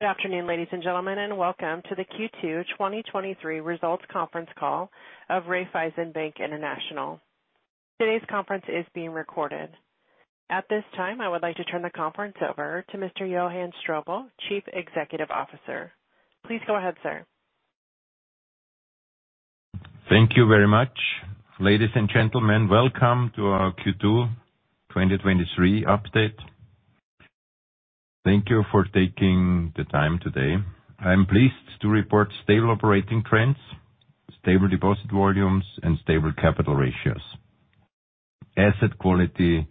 Good afternoon, ladies and gentlemen, welcome to the Q2 2023 results conference call of Raiffeisen Bank International. Today's conference is being recorded. At this time, I would like to turn the conference over to Mr. Johann Strobl, Chief Executive Officer. Please go ahead, sir. Thank you very much. Ladies and gentlemen, welcome to our Q2 2023 update. Thank you for taking the time today. I'm pleased to report stable operating trends, stable deposit volumes, and stable capital ratios. Asset quality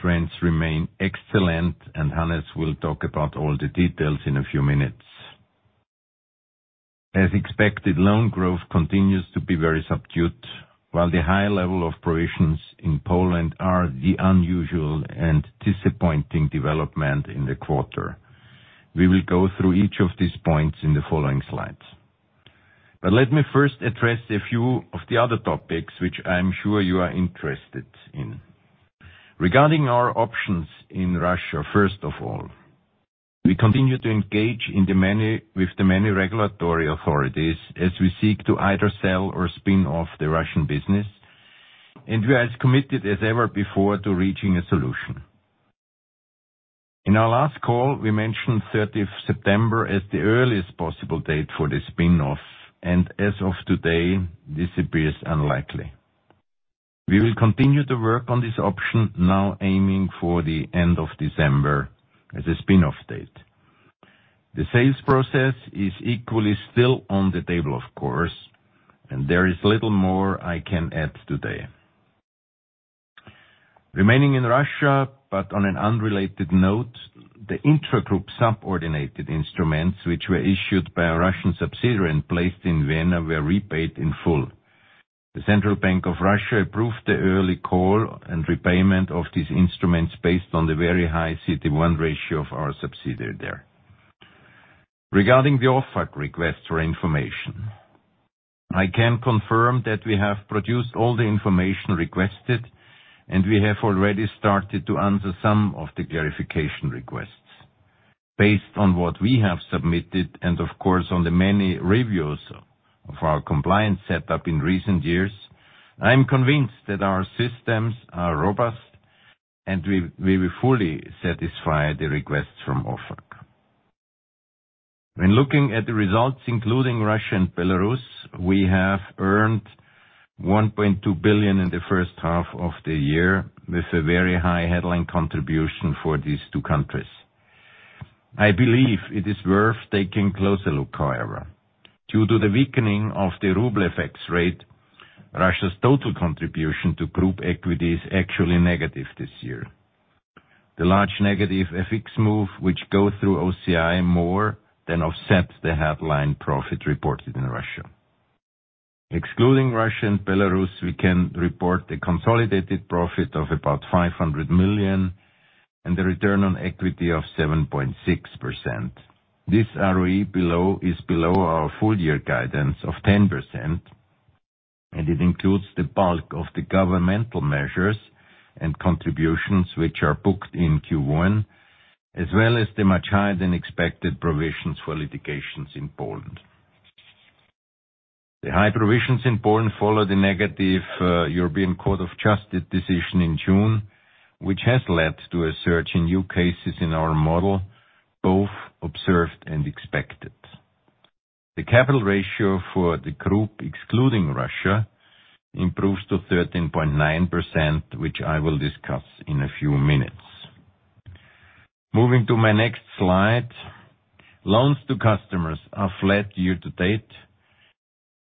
trends remain excellent. Hannes will talk about all the details in a few minutes. As expected, loan growth continues to be very subdued, while the high level of provisions in Poland are the unusual and disappointing development in the quarter. We will go through each of these points in the following slides. Let me first address a few of the other topics, which I'm sure you are interested in. Regarding our options in Russia, first of all, we continue to engage with the many regulatory authorities as we seek to either sell or spin off the Russian business, and we are as committed as ever before to reaching a solution. In our last call, we mentioned thirtieth September as the earliest possible date for the spin-off, and as of today, this appears unlikely. We will continue to work on this option, now aiming for the end of December as a spin-off date. The sales process is equally still on the table, of course, and there is little more I can add today. Remaining in Russia, but on an unrelated note, the intragroup subordinated instruments, which were issued by a Russian subsidiary and placed in Vienna, were repaid in full. The Central Bank of Russia approved the early call and repayment of these instruments based on the very high CET1 ratio of our subsidiary there. Regarding the OFAC request for information, I can confirm that we have produced all the information requested, and we have already started to answer some of the verification requests. Based on what we have submitted and, of course, on the many reviews of our compliance set up in recent years, I'm convinced that our systems are robust and we will fully satisfy the requests from OFAC. When looking at the results, including Russia and Belarus, we have earned 1.2 billion in the first half of the year, with a very high headline contribution for these two countries. I believe it is worth taking a closer look, however. Due to the weakening of the ruble FX rate, Russia's total contribution to group equity is actually negative this year. The large negative FX move, which goes through OCI, more than offsets the headline profit reported in Russia. Excluding Russia and Belarus, we can report a consolidated profit of about 500 million and a return on equity of 7.6%. This ROE below, is below our full year guidance of 10%, and it includes the bulk of the governmental measures and contributions, which are booked in Q1, as well as the much higher-than-expected provisions for litigations in Poland. The high provisions in Poland follow the negative European Court of Justice decision in June, which has led to a surge in new cases in our model, both observed and expected. The capital ratio for the group, excluding Russia, improves to 13.9%, which I will discuss in a few minutes. Moving to my next slide. Loans to customers are flat year to date,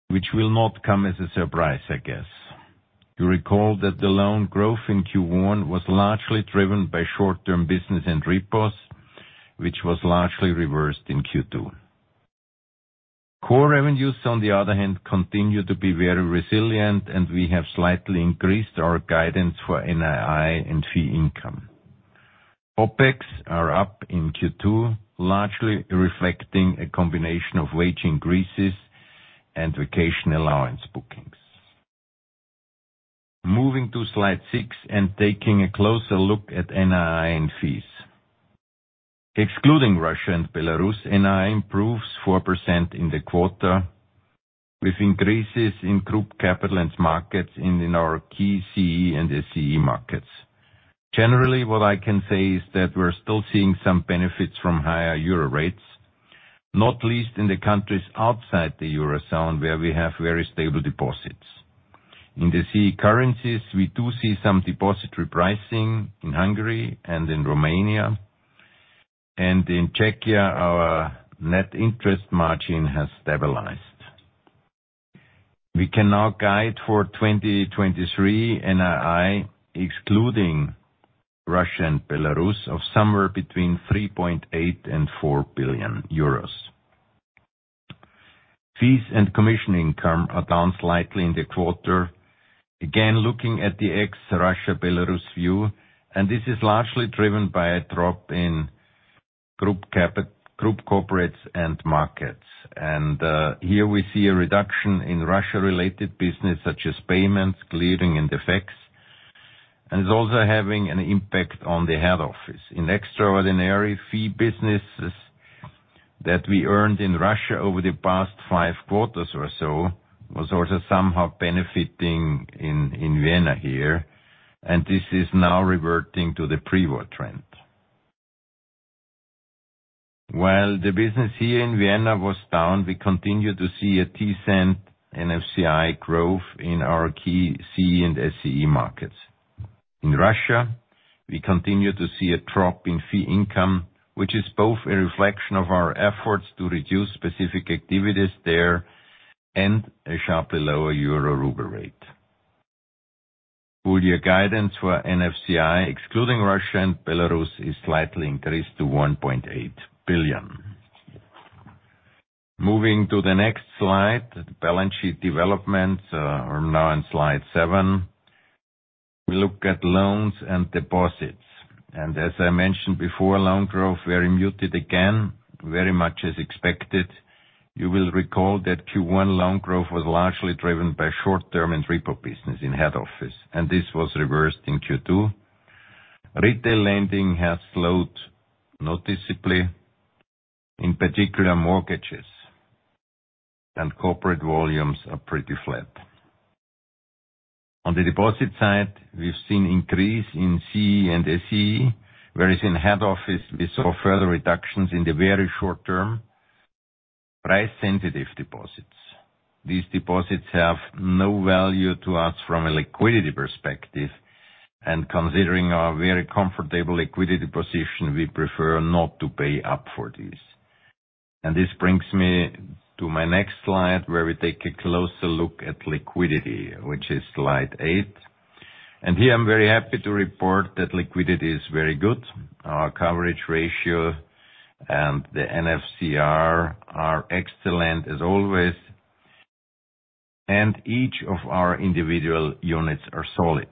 which will not come as a surprise, I guess. You recall that the loan growth in Q1 was largely driven by short-term business and repos, which was largely reversed in Q2. Core revenues, on the other hand, continue to be very resilient, and we have slightly increased our guidance for NII and fee income. OpEx are up in Q2, largely reflecting a combination of wage increases and vacation allowance bookings. Moving to slide 6 and taking a closer look at NII and fees. Excluding Russia and Belarus, NII improves 4% in the quarter, with increases in Group Capital Markets and in our key CEE and SEE markets. Generally, what I can say is that we're still seeing some benefits from higher euro rates, not least in the countries outside the Euro zone, where we have very stable deposits. In the C currencies, we do see some deposit pricing in Hungary and in Romania, and in Czechia, our net interest margin has stabilized. We can now guide for 2023 NII, excluding Russia and Belarus, of somewhere between 3.8 billion and 4 billion euros. Fees and commission income are down slightly in the quarter. Looking at the ex-Russia, Belarus view, this is largely driven by a drop in Group Corporates & Markets. Here we see a reduction in Russia-related business, such as payments, clearing, and effects. It's also having an impact on the head office. In extraordinary fee businesses that we earned in Russia over the past 5 quarters or so, was also somehow benefiting in, in Vienna here, and this is now reverting to the pre-war trend. While the business here in Vienna was down, we continued to see a decent NFCI growth in our key CEE and SCE markets. In Russia, we continue to see a drop in fee income, which is both a reflection of our efforts to reduce specific activities there and a sharply lower euro ruble rate. Full year guidance for NFCI, excluding Russia and Belarus, is slightly increased to 1.8 billion. Moving to the next slide, the balance sheet developments are now on slide 7. We look at loans and deposits, and as I mentioned before, loan growth very muted again, very much as expected. You will recall that Q1 loan growth was largely driven by short-term and repo business in head office, this was reversed in Q2. Retail lending has slowed noticeably, in particular, mortgages, corporate volumes are pretty flat. On the deposit side, we've seen increase in CEE and SEE, whereas in head office, we saw further reductions in the very short term, price-sensitive deposits. These deposits have no value to us from a liquidity perspective, considering our very comfortable liquidity position, we prefer not to pay up for these. This brings me to my next slide, where we take a closer look at liquidity, which is slide 8. Here, I'm very happy to report that liquidity is very good. Our coverage ratio and the NSFR are excellent as always, each of our individual units are solid.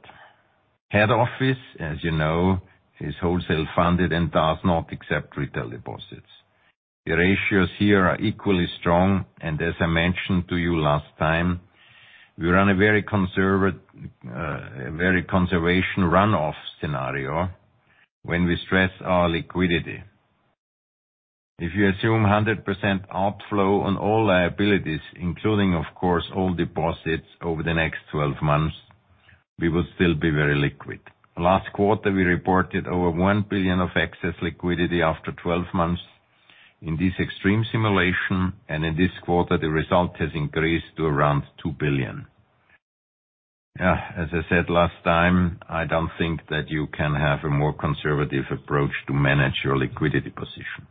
Head office, as you know, is wholesale funded and does not accept retail deposits. The ratios here are equally strong, and as I mentioned to you last time, we run a very conservat-very conservation run-off scenario when we stress our liquidity. If you assume 100% outflow on all liabilities, including, of course, all deposits over the next 12 months, we will still be very liquid. Last quarter, we reported over 1 billion of excess liquidity after 12 months. In this extreme simulation, and in this quarter, the result has increased to around 2 billion. as I said last time, I don't think that you can have a more conservative approach to manage your liquidity position.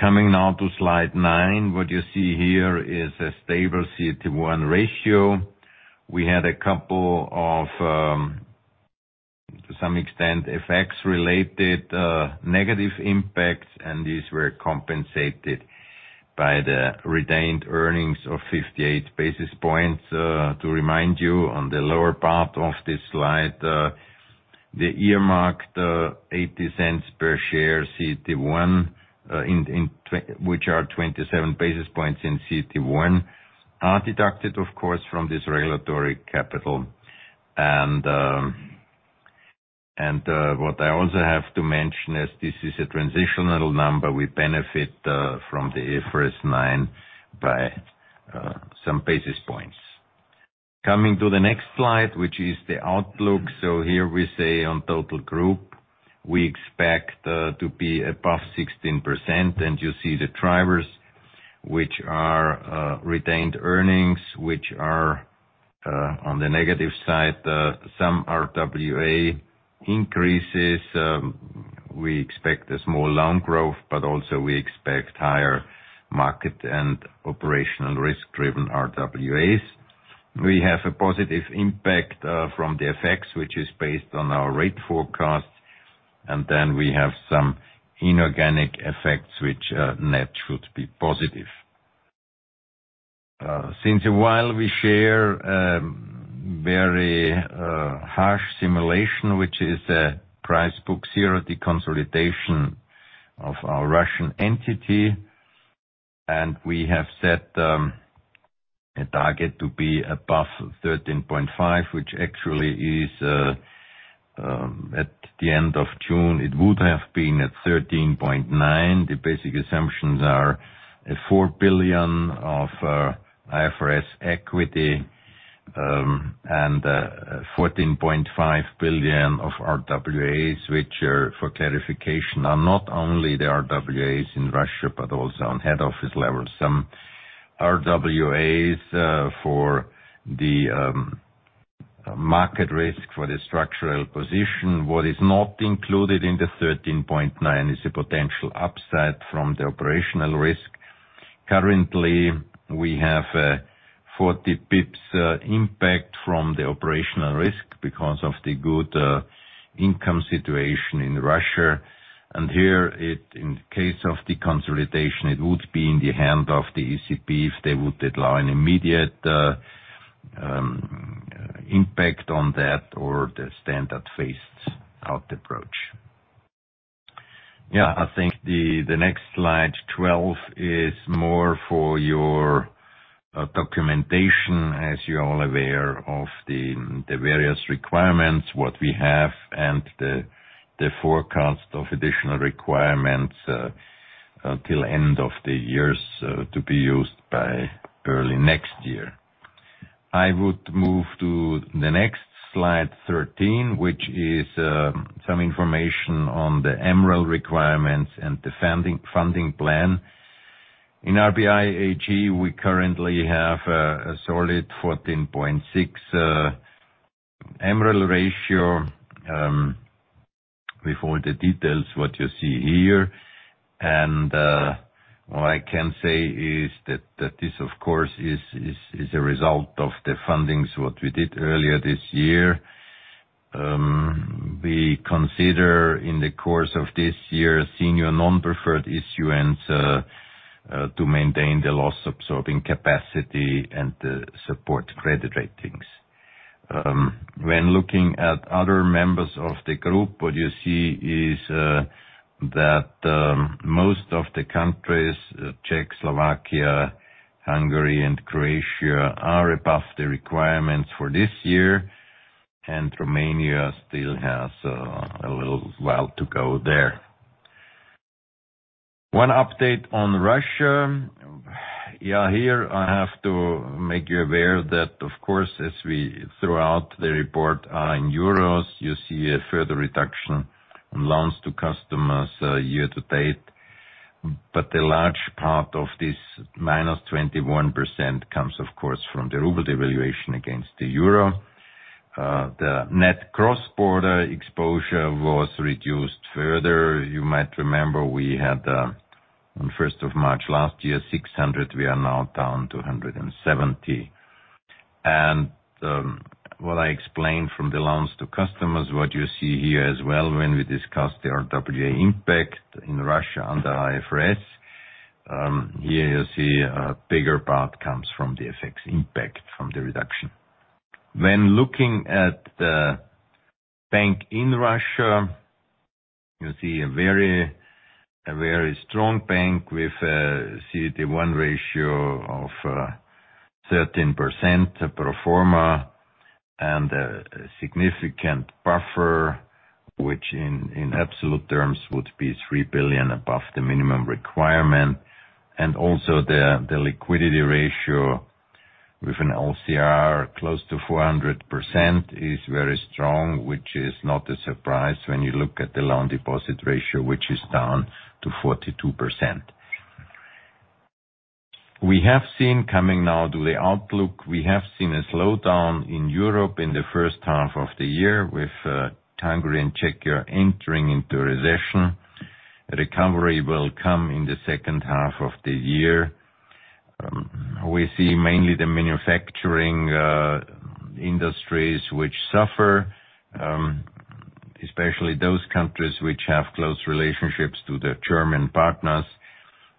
Coming now to slide 9, what you see here is a stable CET1 ratio. We had a couple of, to some extent, effects-related, negative impacts, and these were compensated by the retained earnings of 58 basis points. To remind you, on the lower part of this slide, the earmarked, 0.80 per share CET1, which are 27 basis points in CET1, are deducted, of course, from this regulatory capital. What I also have to mention is this is a transitional number. We benefit from the IFRS 9 by some basis points. Coming to the next slide, which is the outlook. Here we say on total group, we expect to be above 16%, and you see the drivers, which are retained earnings, which are on the negative side, some RWA increases. We expect a small loan growth, but also we expect higher market and operational risk-driven RWAs. We have a positive impact from the effects, which is based on our rate forecast, and then we have some inorganic effects which net should be positive. Since a while, we share a very harsh simulation, which is a price-to-book zero deconsolidation of our Russian entity, and we have set a target to be above 13.5, which actually is at the end of June, it would have been at 13.9. The basic assumptions are 4 billion of IFRS equity and 14.5 billion of RWAs, which are, for clarification, are not only the RWAs in Russia, but also on head office level. Some RWAs for the market risk for the structural position. What is not included in the 13.9 is a potential upside from the operational risk. Currently, we have a 40 basis points impact from the operational risk because of the good income situation in Russia, and here, it in case of the consolidation, it would be in the hand of the ECB if they would allow an immediate impact on that or the standard phased-out approach. I think the next slide, 12, is more for your documentation, as you're all aware of the various requirements, what we have, and the forecast of additional requirements until end of the years to be used by early next year. I would move to the next slide, 13, which is some information on the MREL requirements and the funding, funding plan. In RBI AG, we currently have a solid 14.6 MREL ratio, with all the details, what you see here. All I can say is that this, of course, is a result of the fundings, what we did earlier this year. We consider in the course of this year, senior non-preferred issuance, to maintain the loss-absorbing capacity and support credit ratings. When looking at other members of the group, what you see is that most of the countries, Czech, Slovakia, Hungary, and Croatia, are above the requirements for this year, and Romania still has a little while to go there. One update on Russia. Here I have to make you aware that, of course, as we throughout the report, are in euros, you see a further reduction in loans to customers, year to date. A large part of this -21% comes, of course, from the ruble devaluation against the euro. The net cross-border exposure was reduced further. You might remember we had, on first of March last year, 600 million, we are now down to 170 million. What I explained from the loans to customers, what you see here as well, when we discussed the RWA impact in Russia under IFRS, here you see a bigger part comes from the FX impact from the reduction. When looking at the bank in Russia, you see a very, a very strong bank with a CET1 ratio of 13% pro forma and a significant buffer, which in, in absolute terms, would be 3 billion above the minimum requirement. The liquidity ratio with an LCR close to 400% is very strong, which is not a surprise when you look at the loan deposit ratio, which is down to 42%. We have seen coming now to the outlook, we have seen a slowdown in Europe in the first half of the year, with Hungary and Czechia entering into a recession. Recovery will come in the second half of the year. We see mainly the manufacturing industries which suffer, especially those countries which have close relationships to their German partners.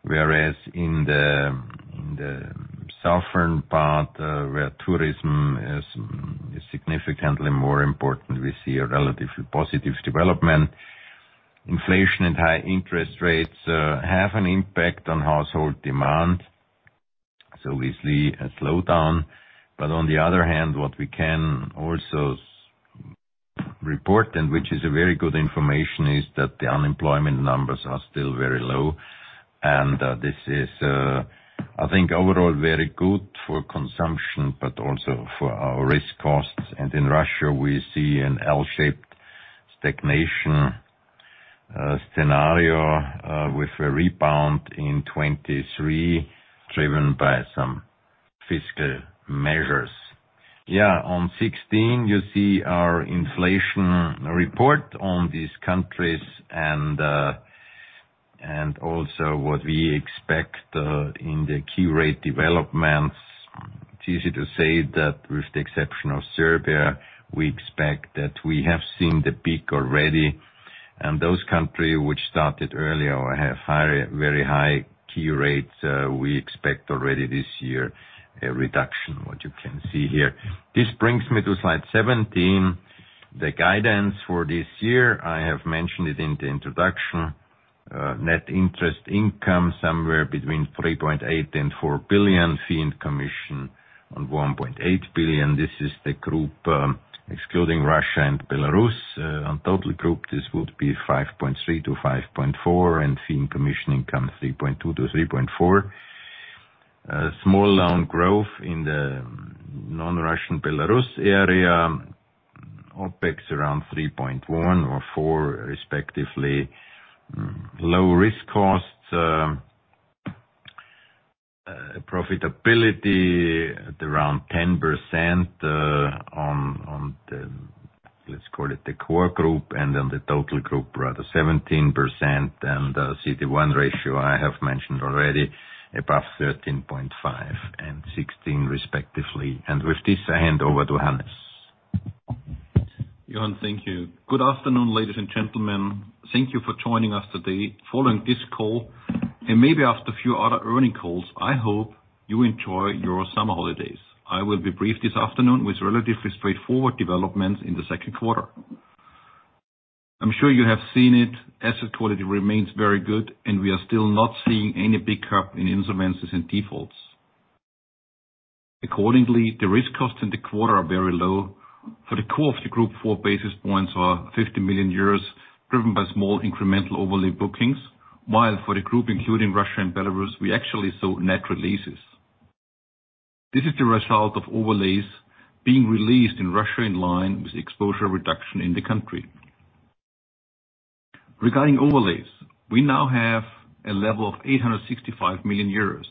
In the, in the southern part, where tourism is, is significantly more important, we see a relatively positive development. Inflation and high interest rates have an impact on household demand, so we see a slowdown. On the other hand, what we can also report, and which is a very good information, is that the unemployment numbers are still very low. This is, I think overall, very good for consumption, but also for our risk costs. In Russia, we see an L-shaped stagnation scenario with a rebound in 2023, driven by some fiscal measures. On 16, you see our inflation report on these countries and also what we expect in the key rate developments. It's easy to say that with the exception of Serbia, we expect that we have seen the peak already, and those country which started earlier or have higher, very high key rates, we expect already this year, a reduction, what you can see here. This brings me to slide 17, the guidance for this year. I have mentioned it in the introduction. Net Interest Income, somewhere between 3.8 billion and 4 billion. Fee and commission on 1.8 billion. This is the group, excluding Russia and Belarus. On total group, this would be 5.3-5.4, and Fee and commission income, 3.2-3.4. Small loan growth in the non-Russian, Belarus area, OpEx around 3.1 or 4, respectively. Low risk costs, profitability at around 10%, on the... Let's call it the core group, and then the total group, rather 17%. CET1 ratio, I have mentioned already, above 13.5 and 16, respectively. With this, I hand over to Hannes. Johann, thank you. Good afternoon, ladies and gentlemen. Thank you for joining us today. Following this call, and maybe after a few other earnings calls, I hope you enjoy your summer holidays. I will be brief this afternoon with relatively straightforward developments in the second quarter. I'm sure you have seen it. Asset quality remains very good, and we are still not seeing any big cup in insolvencies and defaults. Accordingly, the risk costs in the quarter are very low. For the core of the group, 4 basis points or 50 million euros, driven by small incremental overlay bookings, while for the group, including Russia and Belarus, we actually saw net releases. This is the result of overlays being released in Russia, in line with exposure reduction in the country. Regarding overlays, we now have a level of 865 million euros.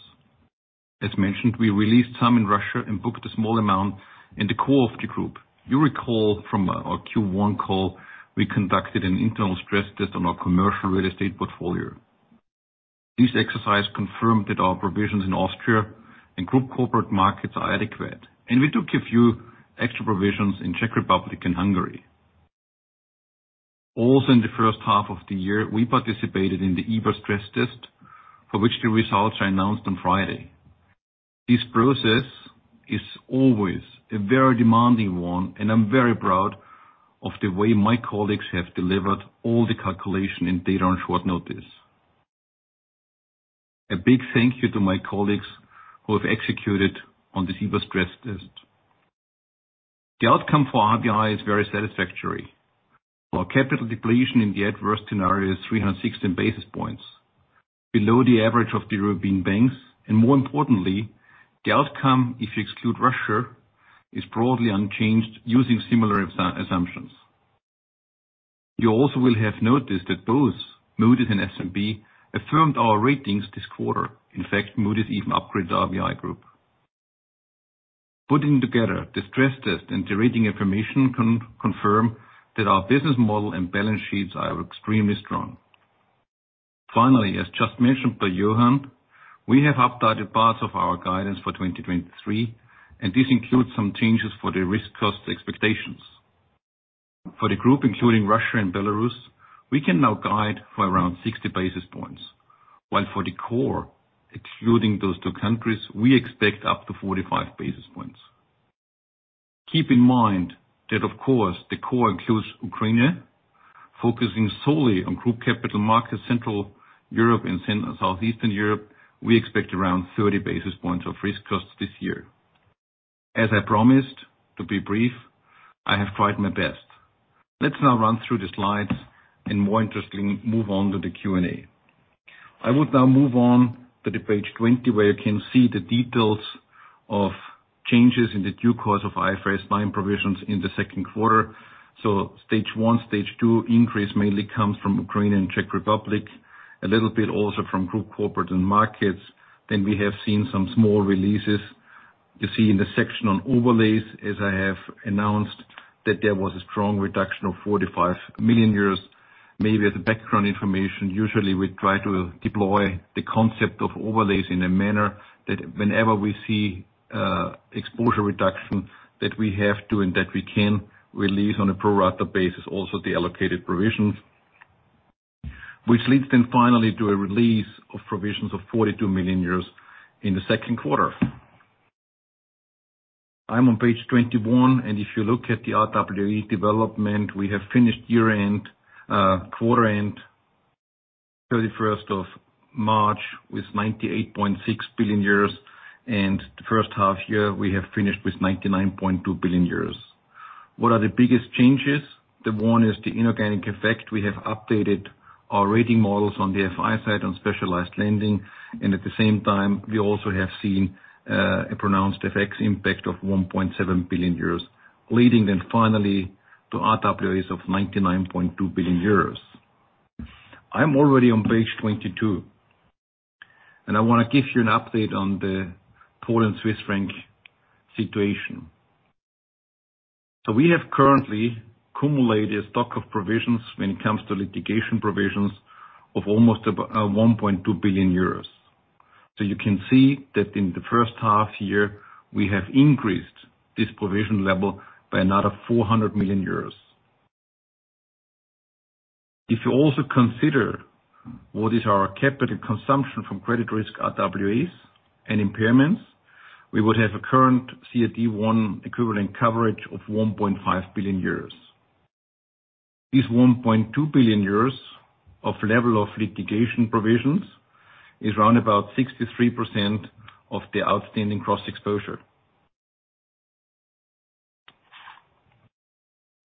As mentioned, we released some in Russia and booked a small amount in the core of the group. You recall from our Q1 call, we conducted an internal stress test on our commercial real estate portfolio. This exercise confirmed that our provisions in Austria and Group Corporates & Markets are adequate, and we took a few extra provisions in Czech Republic and Hungary. Also, in the first half of the year, we participated in the EBA stress test, for which the results are announced on Friday. This process is always a very demanding one, and I'm very proud of the way my colleagues have delivered all the calculation and data on short notice. A big thank you to my colleagues who have executed on this EBA stress test. The outcome for RBI is very satisfactory. Our capital depletion in the adverse scenario is 316 basis points, below the average of the European banks, and more importantly, the outcome, if you exclude Russia, is broadly unchanged using similar assumptions. You also will have noticed that both Moody's and S&P affirmed our ratings this quarter. In fact, Moody's even upgraded the RBI group. Putting together the stress test and the rating information confirm that our business model and balance sheets are extremely strong. Finally, as just mentioned by Johann, we have updated parts of our guidance for 2023, and this includes some changes for the risk cost expectations. For the group, including Russia and Belarus, we can now guide for around 60 basis points, while for the core, excluding those two countries, we expect up to 45 basis points. Keep in mind that, of course, the core includes Ukraine. Focusing solely on Group Capital Markets, Central Europe and South Eastern Europe, we expect around 30 basis points of risk costs this year. As I promised to be brief, I have tried my best. Let's now run through the slides and more interestingly, move on to the Q&A. I would now move on to the page 20, where you can see the details of changes in the due course of IFRS 9 provisions in the second quarter. Stage one, stage two increase mainly comes from Ukraine and Czech Republic, a little bit also from Group Corporates & Markets. We have seen some small releases. You see in the section on overlays, as I have announced, that there was a strong reduction of 45 million euros. Maybe as a background information, usually we try to deploy the concept of overlays in a manner that whenever we see exposure reduction, that we have to and that we can release on a pro rata basis, also the allocated provisions. Which leads then finally to a release of provisions of 42 million euros in the second quarter. I'm on page 21, and if you look at the RWAs development, we have finished year-end, quarter-end, 31st of March, with 98.6 billion euros, and the first half year, we have finished with 99.2 billion euros. What are the biggest changes? The one is the inorganic effect. We have updated our rating models on the FI side, on specialized lending. At the same time, we also have seen a pronounced effects impact of 1 billion euros, leading then finally to RWA of 99.2 billion euros. I'm already on page 22, and I want to give you an update on the Poland Swiss franc situation. We have currently cumulated a stock of provisions when it comes to litigation provisions of almost 1 billion euros. You can see that in the first half year, we have increased this provision level by another 400 million euros. If you also consider what is our capital consumption from credit risk RWA and impairments, we would have a current CET-1 equivalent coverage of 1 billion euros. This 1 billion euros of level of litigation provisions is around about 63% of the outstanding cross-exposure.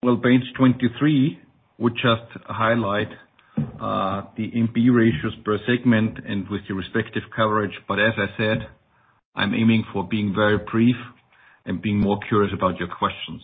Well, page 23 would just highlight, the NP ratios per segment and with the respective coverage. As I said, I'm aiming for being very brief and being more curious about your questions.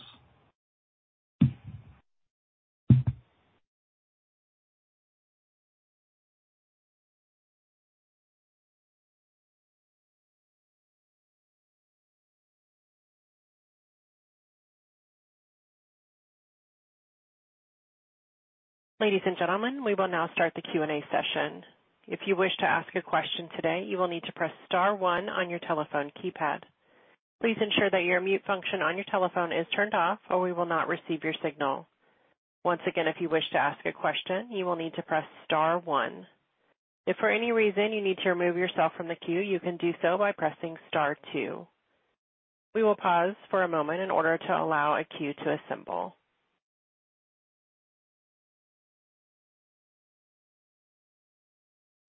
Ladies and gentlemen, we will now start the Q&A session. If you wish to ask a question today, you will need to press star one on your telephone keypad. Please ensure that your mute function on your telephone is turned off or we will not receive your signal. Once again, if you wish to ask a question, you will need to press star one. If for any reason you need to remove yourself from the queue, you can do so by pressing star two. We will pause for a moment in order to allow a queue to assemble.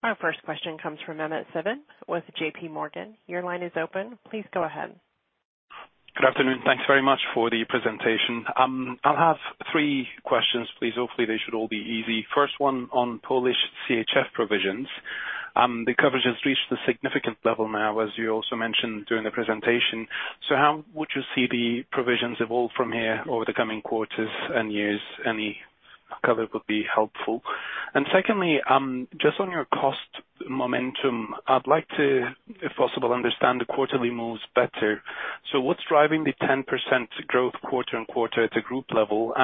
Our first question comes from Mehmet Sevim with JPMorgan. Your line is open. Please go ahead. Good afternoon. Thanks very much for the presentation. I'll have 3 questions, please. Hopefully, they should all be easy. First one on Polish CHF provisions. The coverage has reached a significant level now, as you also mentioned during the presentation. How would you see the provisions evolve from here over the coming quarters and years? Any color would be helpful. Secondly, just on your cost momentum, I'd like to, if possible, understand the quarterly moves better. What's driving the 10% growth quarter and quarter at the group level?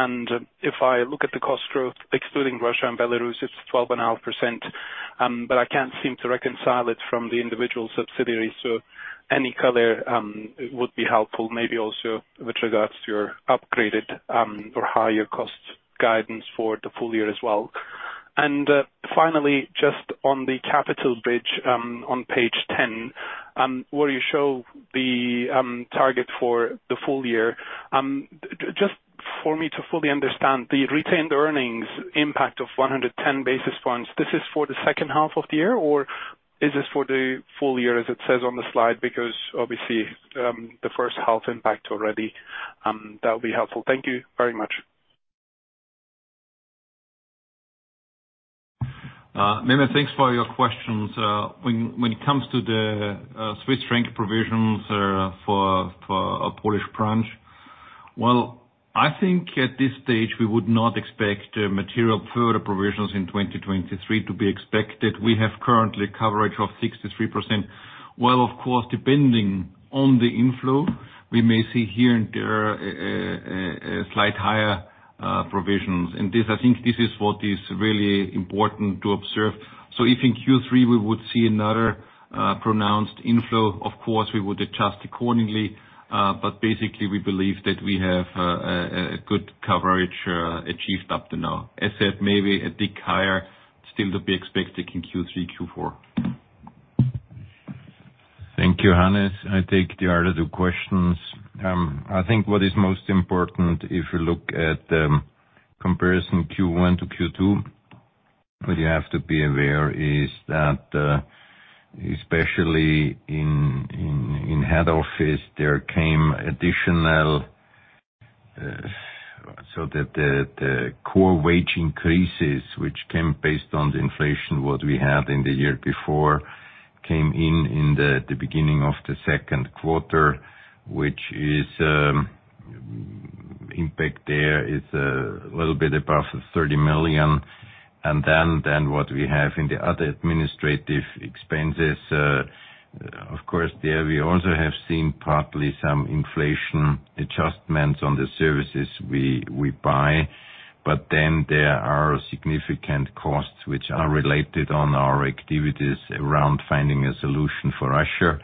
If I look at the cost growth, excluding Russia and Belarus, it's 12.5%. I can't seem to reconcile it from the individual subsidiaries, so any color would be helpful, maybe also with regards to your upgraded, or higher cost guidance for the full year as well. Finally, just on the capital bridge, on page 10, where you show the target for the full year. Just for me to fully understand, the retained earnings impact of 110 basis points, this is for the second half of the year, or is this for the full year, as it says on the slide? Because obviously, the first half impact already. That would be helpful. Thank you very much. Mehmet, thanks for your questions. When, when it comes to the Swiss franc provisions, for, for a Polish branch, well, I think at this stage, we would not expect material further provisions in 2023 to be expected. We have currently coverage of 63%. Well, of course, depending on the inflow, we may see here and there, a slight higher provisions. This, I think this is what is really important to observe. If in Q3 we would see another pronounced inflow, of course we would adjust accordingly, but basically, we believe that we have a good coverage achieved up to now. As said, maybe a bit higher, still to be expected in Q3, Q4. Thank you, Hannes. I take the other two questions. I think what is most important, if you look at the comparison Q1 to Q2, what you have to be aware is that especially in, in, in head office, there came additional... The, the, the core wage increases, which came based on the inflation, what we had in the year before, came in in the, the beginning of the second quarter, which is impact there is a little bit above 30 million. Then, then what we have in the other administrative expenses, of course, there, we also have seen partly some inflation adjustments on the services we, we buy. Then there are significant costs which are related on our activities around finding a solution for Russia.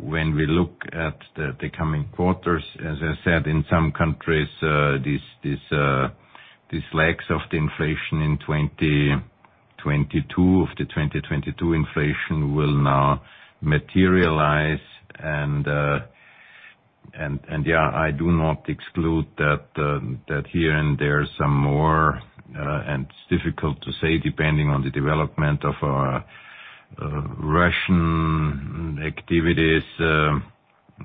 When we look at the coming quarters, as I said, in some countries, this, this, this lags of the inflation in 2022, of the 2022 inflation will now materialize. I do not exclude that here and there some more, and difficult to say, depending on the development of our Russian activities.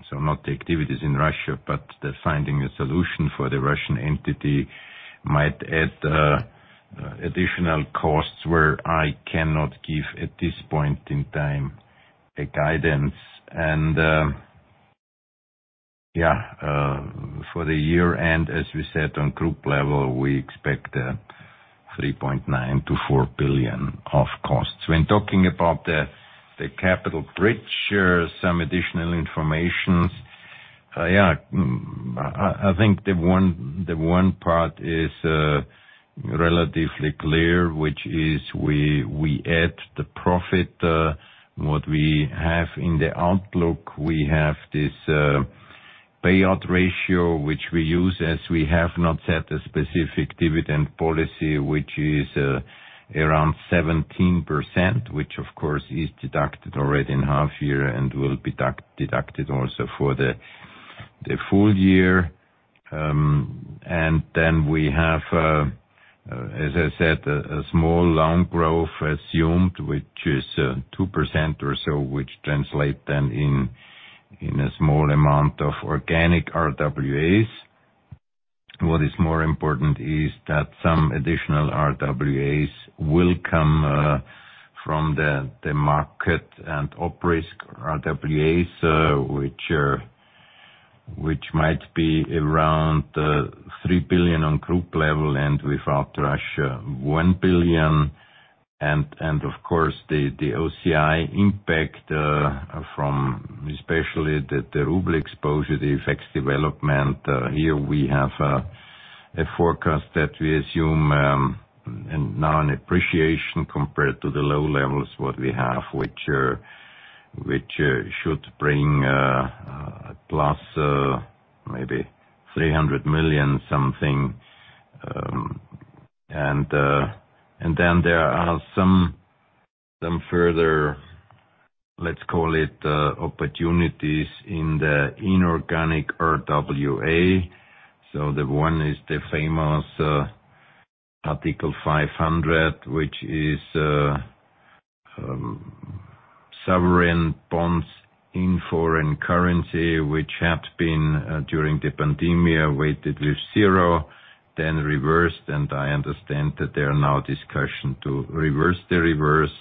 So not the activities in Russia, but the finding a solution for the Russian entity might add additional costs where I cannot give, at this point in time, a guidance. For the year-end, as we said, on group level, we expect 3.9 billion-4 billion of costs. When talking about the capital bridge, some additional informations. I think the one, the one part is relatively clear, which is we, we add the profit, what we have in the outlook. We have this payout ratio, which we use, as we have not set a specific dividend policy, which is around 17%, which of course is deducted already in half year and will be deducted also for the, the full year. And then we have, as I said, a small loan growth assumed, which is 2% or so, which translate then in, in a small amount of organic RWAs. What is more important is that some additional RWAs will come from the, the market and op risk RWAs, which might be around 3 billion on group level, and without Russia, 1 billion. Of course, the OCI impact from especially the ruble exposure, the effects development. Here we have a forecast that we assume and now an appreciation compared to the low levels, what we have, which should bring plus maybe 300 million, something. There are some further, let's call it, opportunities in the inorganic RWA. The one is the famous Article 500, which is sovereign bonds in foreign currency, which had been during the pandemic, weighted with 0, then reversed, and I understand that there are now discussions to reverse the reverse.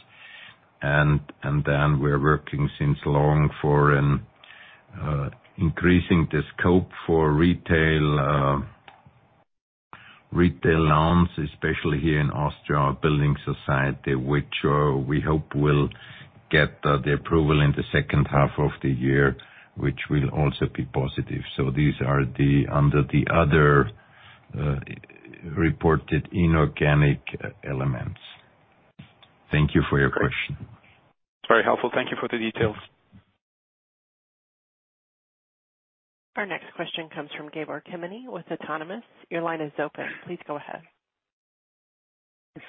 We're working since long for an increasing the scope for retail retail loans, especially here in Austria Building Society, which we hope will get the approval in the second half of the year, which will also be positive. These are the under the other reported inorganic elements. Thank you for your question. Very helpful. Thank you for the details. Our next question comes from Gabor Kemeny with Autonomous. Your line is open. Please go ahead.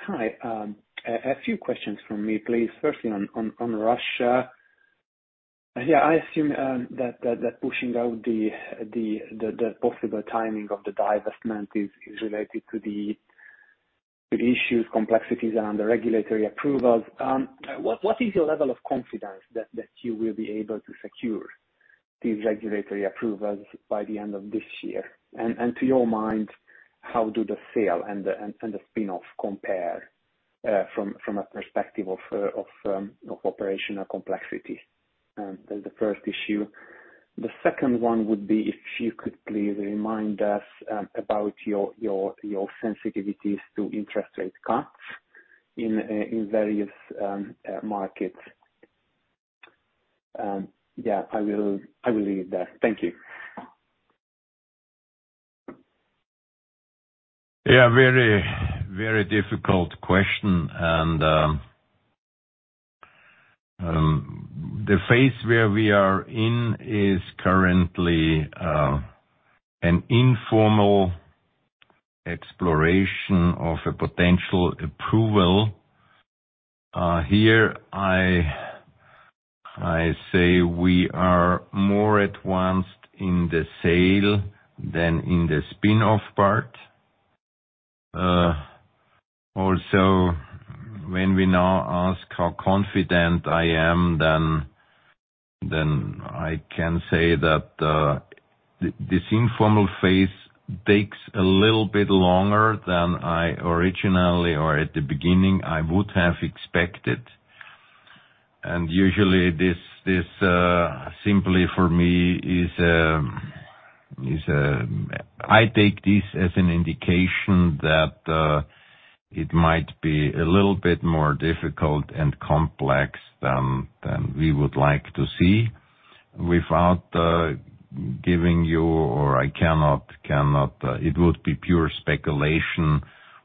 Hi. A few questions from me, please. Firstly, on Russia. I assume that pushing out the possible timing of the divestment is related to the issues, complexities, and the regulatory approvals. What is your level of confidence that you will be able to secure these regulatory approvals by the end of this year? To your mind, how do the sale and the spin-off compare from a perspective of operational complexity? That's the first issue. The second one would be if you could please remind us about your sensitivities to interest rate cuts in various markets. I will leave it there. Thank you. Very difficult question, and the phase where we are in is currently an informal exploration of a potential approval. Here I say we are more advanced in the sale than in the spin-off part. Also, when we now ask how confident I am, then I can say that this informal phase takes a little bit longer than I originally or at the beginning, I would have expected. Usually this, this simply for me, is I take this as an indication that it might be a little bit more difficult and complex than we would like to see. Without giving you or I cannot, cannot. It would be pure speculation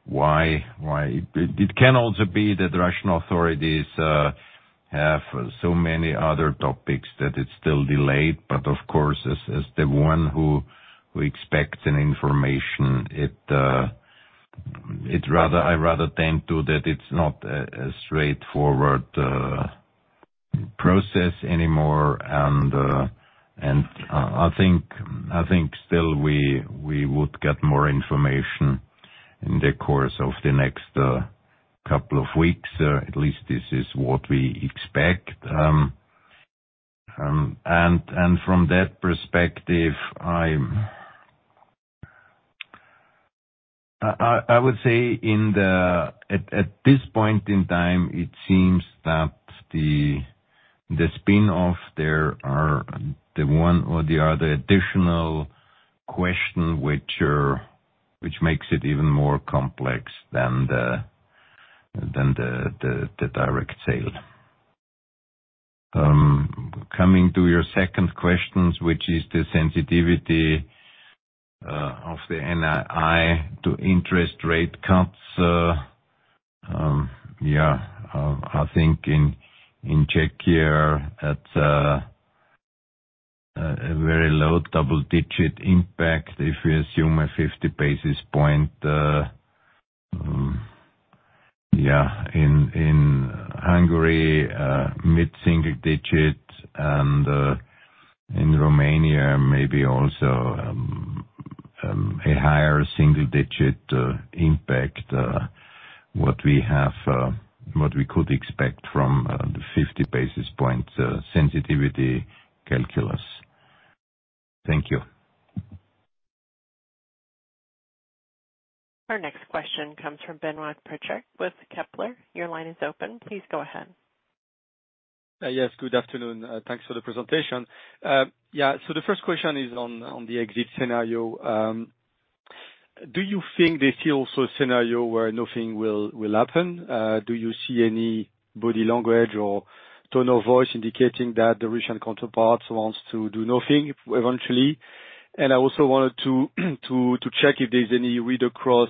why? It can also be that Russian authorities have so many other topics that it's still delayed, but of course, as the one who expects an information, I rather tend to that it's not a straightforward process anymore. I think, I think still we would get more information in the course of the next couple of weeks, at least this is what we expect. From that perspective, I would say at this point in time, it seems that the spin-off there are the one or the other additional question, which makes it even more complex than the direct sale. Coming to your second questions, which is the sensitivity of the NII to interest rate cuts. I think in Czechia, a very low double-digit impact, if you assume a 50 basis point, in Hungary, mid-single-digit, and in Romania, maybe also a higher single-digit impact, what we have, what we could expect from the 50 basis points sensitivity calculus. Thank you. Our next question comes from Benoit Petrarque with Kepler. Your line is open. Please go ahead. Yes, good afternoon. Thanks for the presentation. The first question is on the exit scenario. Do you think they see also a scenario where nothing will, will happen? Do you see any body language or tone of voice indicating that the Russian counterparts want to do nothing eventually? I also wanted to check if there's any read-across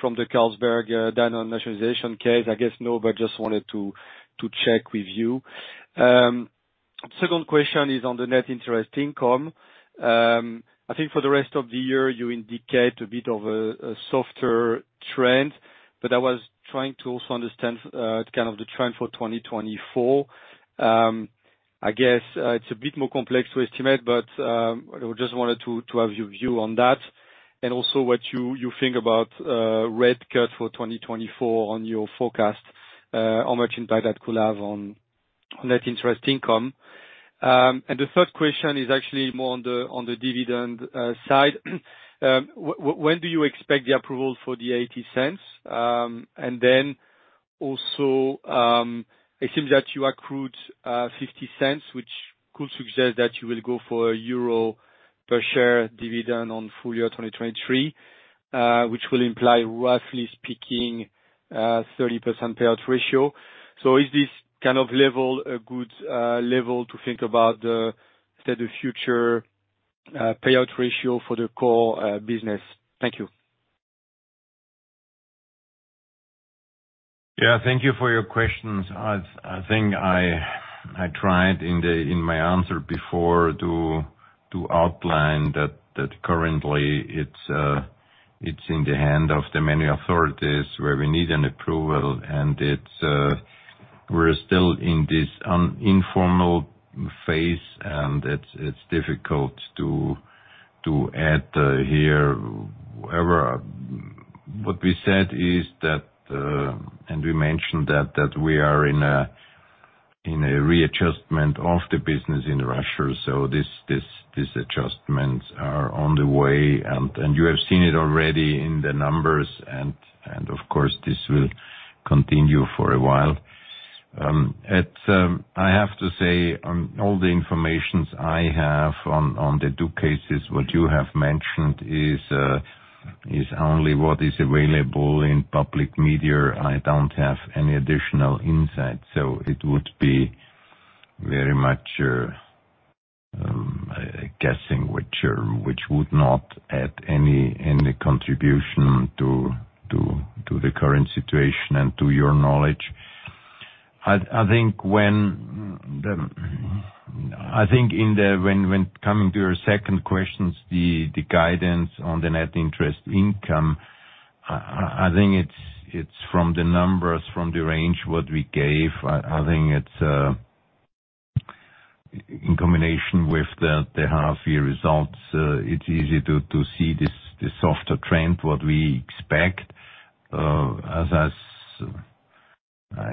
from the Carlsberg Danone nationalization case. I guess no, but just wanted to, to check with you. Second question is on the net interest income. I think for the rest of the year, you indicate a bit of a softer trend, but I was trying to also understand, kind of the trend for 2024. I guess, it's a bit more complex to estimate, but I just wanted to have your view on that, and also what you think about rate cut for 2024 on your forecast, how much impact that could have on net interest income. The third question is actually more on the dividend side. When do you expect the approval for the 0.80? Then also, it seems that you accrued 0.50, which could suggest that you will go for a EUR 1 per share dividend on full year 2023, which will imply, roughly speaking, 30% payout ratio. Is this kind of level a good level to think about the state of future payout ratio for the core business? Thank you. Thank you for your questions. I think I tried in my answer before, to outline that currently it's in the hands of the many authorities where we need an approval, and it's we're still in this informal phase, and it's difficult to add here. However, what we said is that and we mentioned that we are in a readjustment of the business in Russia. These adjustments are on the way, and you have seen it already in the numbers, and of course, this will continue for a while. I have to say on all the informations I have on the 2 cases, what you have mentioned is only what is available in public media. I don't have any additional insight, so it would be very much guessing, which would not add any, any contribution to, the current situation and to your knowledge. I think coming to your second questions, the guidance on the net interest income, I think it's from the numbers, from the range what we gave. I think it's in combination with the half year results, it's easy to see this, the softer trend, what we expect. As I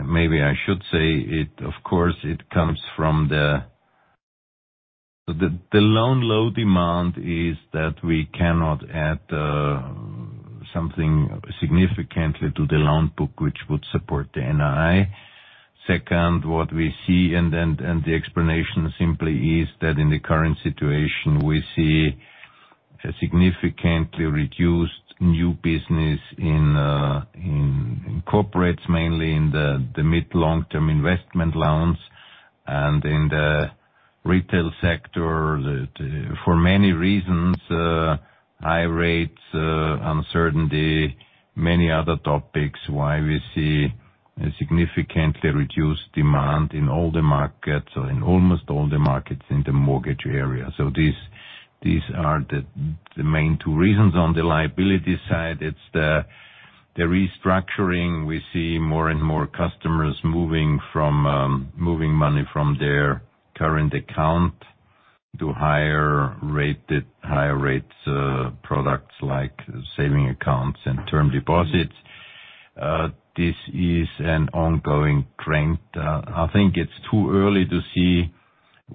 maybe I should say it, of course, it comes from the loan low demand is that we cannot add something significantly to the loan book, which would support the NII. Second, what we see, and then, and the explanation simply is that in the current situation, we see a significantly reduced new business in, in corporates, mainly in the mid-long term investment loans and in the retail sector. For many reasons, high rates, uncertainty, many other topics why we see a significantly reduced demand in all the markets or in almost all the markets in the mortgage area. These are the main two reasons. On the liability side, it's the restructuring. We see more and more customers moving from moving money from their current account to higher rated, higher rates products like savings accounts and term deposits. This is an ongoing trend. I think it's too early to see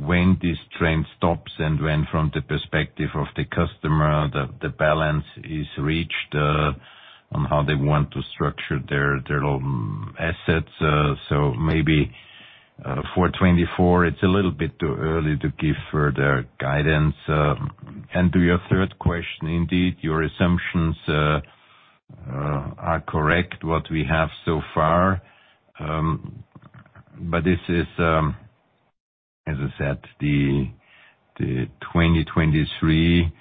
when this trend stops and when, from the perspective of the customer, the balance is reached, on how they want to structure their own assets. Maybe, for 2024, it's a little bit too early to give further guidance. To your third question, indeed, your assumptions are correct, what we have so far. This is, as I said, the 2023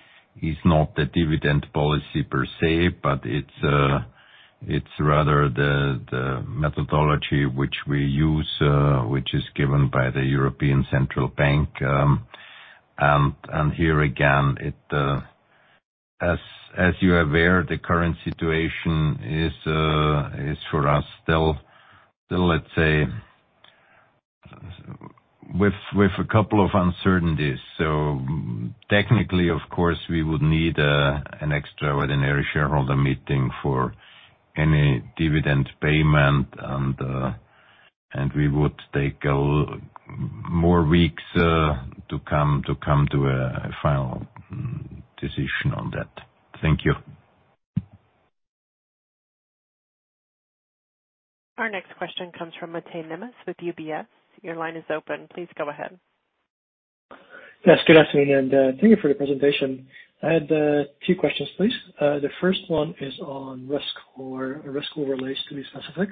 is not the dividend policy per se, but it's rather the methodology which we use, which is given by the European Central Bank. Here again, it, as you're aware, the current situation is for us, still, still, let's say, with a couple of uncertainties. technically, of course, we would need an extraordinary shareholder meeting for any dividend payment, and, and we would take more weeks to come to a final decision on that. Thank you. Our next question comes from Máté Nemes, with UBS. Your line is open. Please go ahead. Yes, good afternoon, thank you for the presentation. I had 2 questions, please. The first one is on risk, or risk relates to be specific.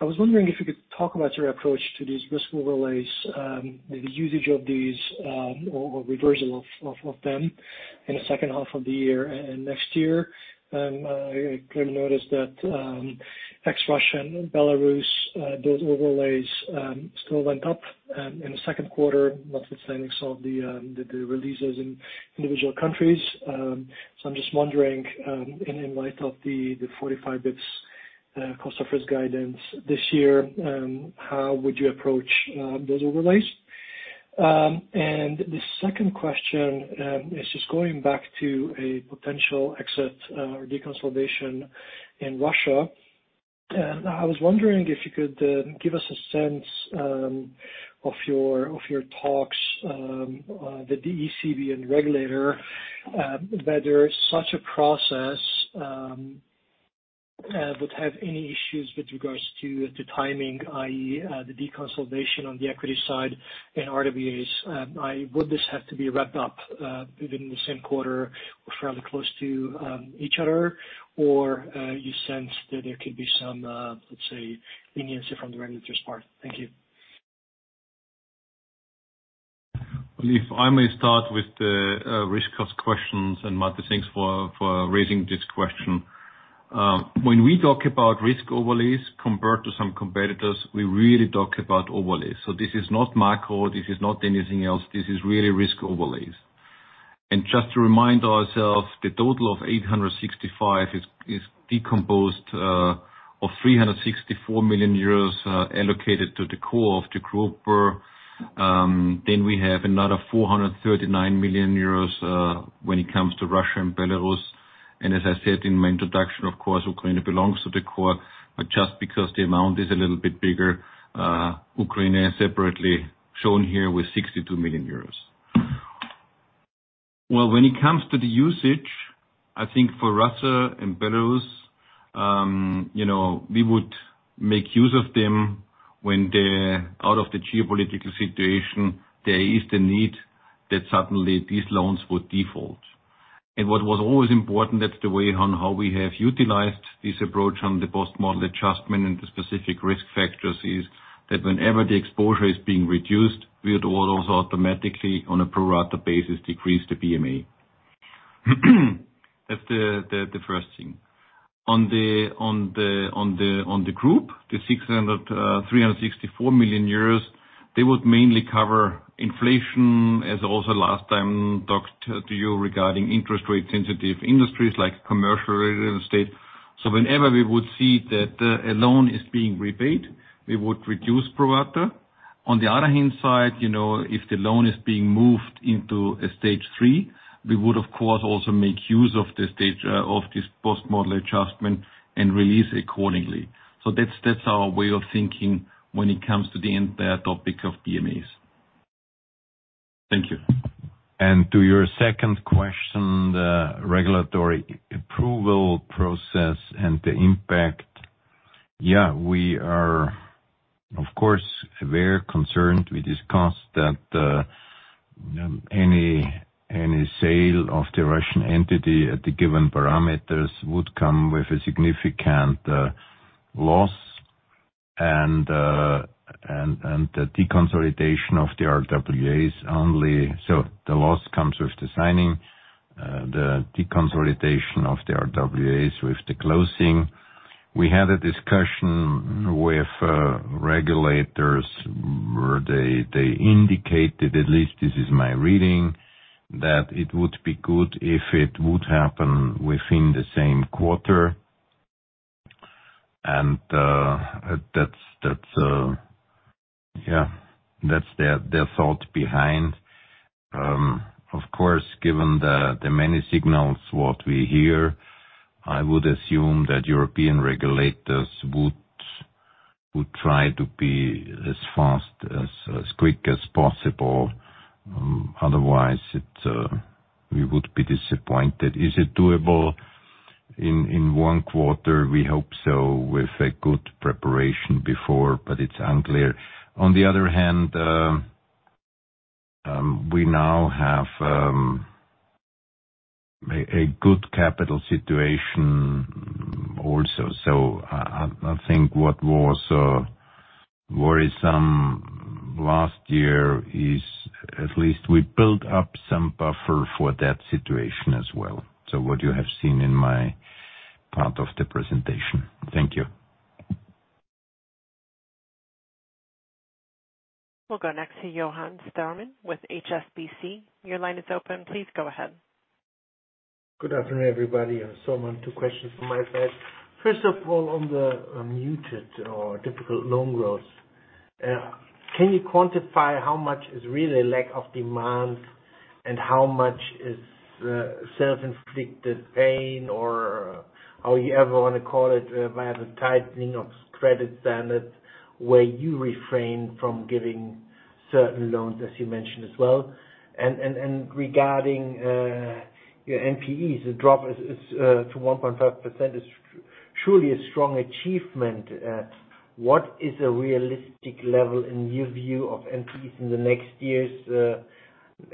I was wondering if you could talk about your approach to these risk overlays, the usage of these, or reversal of them in the second half of the year and next year. I clearly noticed that ex Russia and Belarus, those overlays still went up in the second quarter, notwithstanding some of the releases in individual countries. I'm just wondering, in light of the 45 bits cost of risk guidance this year, how would you approach those overlays? The second question is just going back to a potential exit or deconsolidation in Russia. I was wondering if you could give us a sense of your talks with the ECB and regulator, whether such a process would have any issues with regards to the timing, i.e., the deconsolidation on the equity side and RWAs. Would this have to be wrapped up within the same quarter or fairly close to each other? Or, you sense that there could be some, let's say, leniency from the regulator's part? Thank you. Well, if I may start with the risk cost questions, Matthew, thanks for, for raising this question. When we talk about risk overlays compared to some competitors, we really talk about overlays. This is not macro, this is not anything else. This is really risk overlays. Just to remind ourselves, the total of 865 is, is decomposed of 364 million euros allocated to the core of the group. We have another 439 million euros when it comes to Russia and Belarus. As I said in my introduction, of course, Ukraine belongs to the core, but just because the amount is a little bit bigger, Ukraine is separately shown here with 62 million euros. Well, when it comes to the usage, I think for Russia and Belarus, you know, we would make use of them when out of the geopolitical situation, there is the need that suddenly these loans would default. What was always important, that's the way on how we have utilized this approach on the post-model adjustment and the specific risk factors, is that whenever the exposure is being reduced, we would also automatically, on a pro rata basis, decrease the BMA. That's the, the, the first thing. On the, on the, on the, on the group, the 364 million euros, they would mainly cover inflation, as also last time talked to, to you regarding interest rate-sensitive industries like commercial real estate. Whenever we would see that a loan is being repaid, we would reduce pro rata. On the other hand side, you know, if the loan is being moved into a stage three, we would of course, also make use of the stage, of this post-model adjustment and release accordingly. That's our way of thinking when it comes to the entire topic of BMAs. Thank you. To your second question, the regulatory approval process and the impact. we are, of course, very concerned. We discussed that any, any sale of the Russian entity at the given parameters would come with a significant loss and, and, and the deconsolidation of the RWAs only. The loss comes with the signing, the deconsolidation of the RWAs with the closing. We had a discussion with regulators, where they, they indicated, at least this is my reading, that it would be good if it would happen within the same quarter. That's, their thought behind. Of course, given the, the many signals what we hear, I would assume that European Regulators would, would try to be as fast, as, as quick as possible. Otherwise, it, we would be disappointed. Is it doable in, in one quarter? We hope so, with a good preparation before, but it's unclear. On the other hand, we now have a good capital situation also. I, I, I think what was worrisome last year is at least we built up some buffer for that situation as well. What you have seen in my part of the presentation. Thank you. We'll go next to Johannes Thormann with HSBC. Your line is open. Please go ahead. Good afternoon, everybody. Thormann. Two questions from my side. First of all, on the muted or difficult loan growth, can you quantify how much is really lack of demand and how much is self-inflicted pain, or however you ever want to call it, via the tightening of credit standards, where you refrain from giving certain loans, as you mentioned as well? Regarding your NPEs, the drop is to 1.5% is truly a strong achievement. What is a realistic level in your view of NPEs in the next years?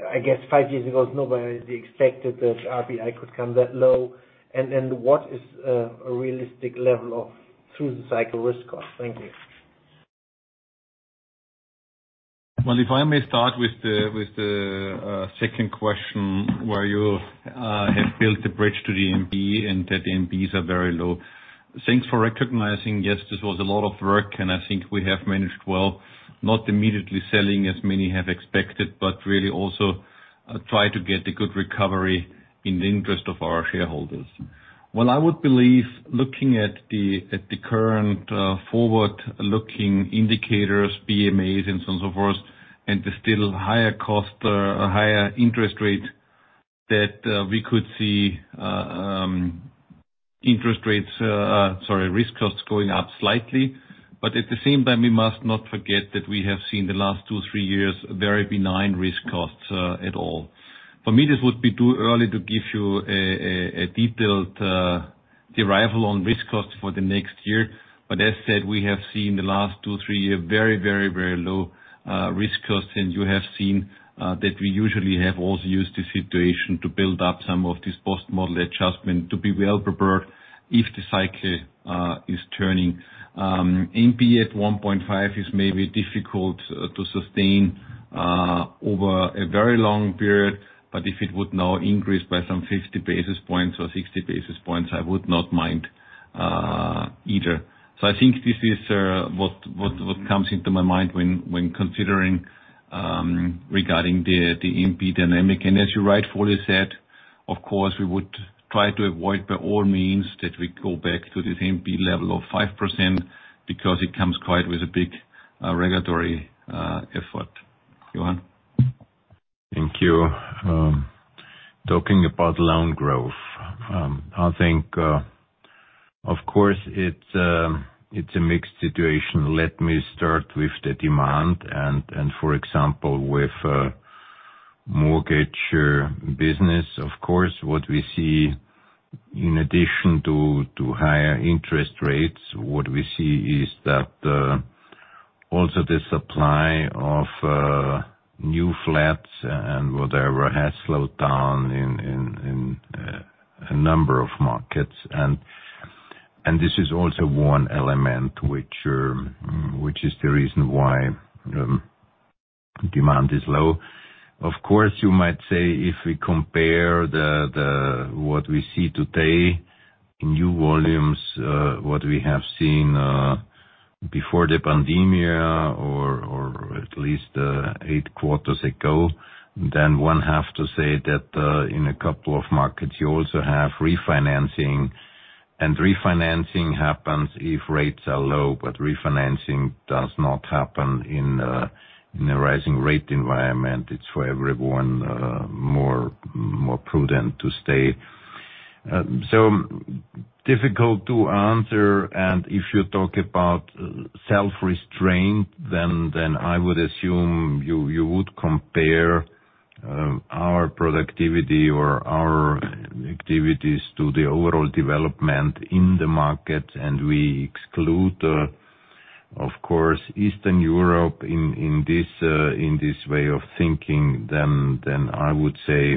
I guess five years ago, nobody expected that RBI could come that low. What is a realistic level of through the cycle risk cost? Thank you. ... Well, if I may start with the, with the second question, where you have built a bridge to the NPE and that NPEs are very low. Thanks for recognizing, yes, this was a lot of work, and I think we have managed well, not immediately selling, as many have expected, but really also try to get a good recovery in the interest of our shareholders. Well, I would believe, looking at the, at the current forward-looking indicators, BMAs and so on, so forth, and the still higher cost, higher interest rate, that we could see interest rates, sorry, risk costs going up slightly. At the same time, we must not forget that we have seen the last two, three years very benign risk costs at all. For me, this would be too early to give you a detailed arrival on risk costs for the next year. As said, we have seen the last 2, 3 year, very, very, very low risk costs, and you have seen that we usually have also used the situation to build up some of this post-model adjustment to be well-prepared if the cycle is turning. NPE at 1.5 is maybe difficult to sustain over a very long period, but if it would now increase by some 50 basis points or 60 basis points, I would not mind either. I think this is what comes into my mind when considering regarding the NPE dynamic. As you rightfully said, of course, we would try to avoid, by all means, that we go back to the NPE level of 5%, because it comes quite with a big regulatory effort. Johann? Thank you. Talking about loan growth, I think, of course, it's a mixed situation. Let me start with the demand and for example, with mortgage business. Of course, what we see in addition to higher interest rates, what we see is that also the supply of new flats and whatever, has slowed down in a number of markets. This is also one element which is the reason why demand is low. Of course, you might say, if we compare the what we see today in new volumes, what we have seen before the pandemic or at least, eight quarters ago, then one have to say that in a couple of markets, you also have refinancing. Refinancing happens if rates are low, but refinancing does not happen in a, in a rising rate environment. It's for everyone, more, more prudent to stay. So difficult to answer. If you talk about self-restraint, then I would assume you would compare our productivity or our activities to the overall development in the market, and we exclude, of course, Eastern Europe in this way of thinking, then I would say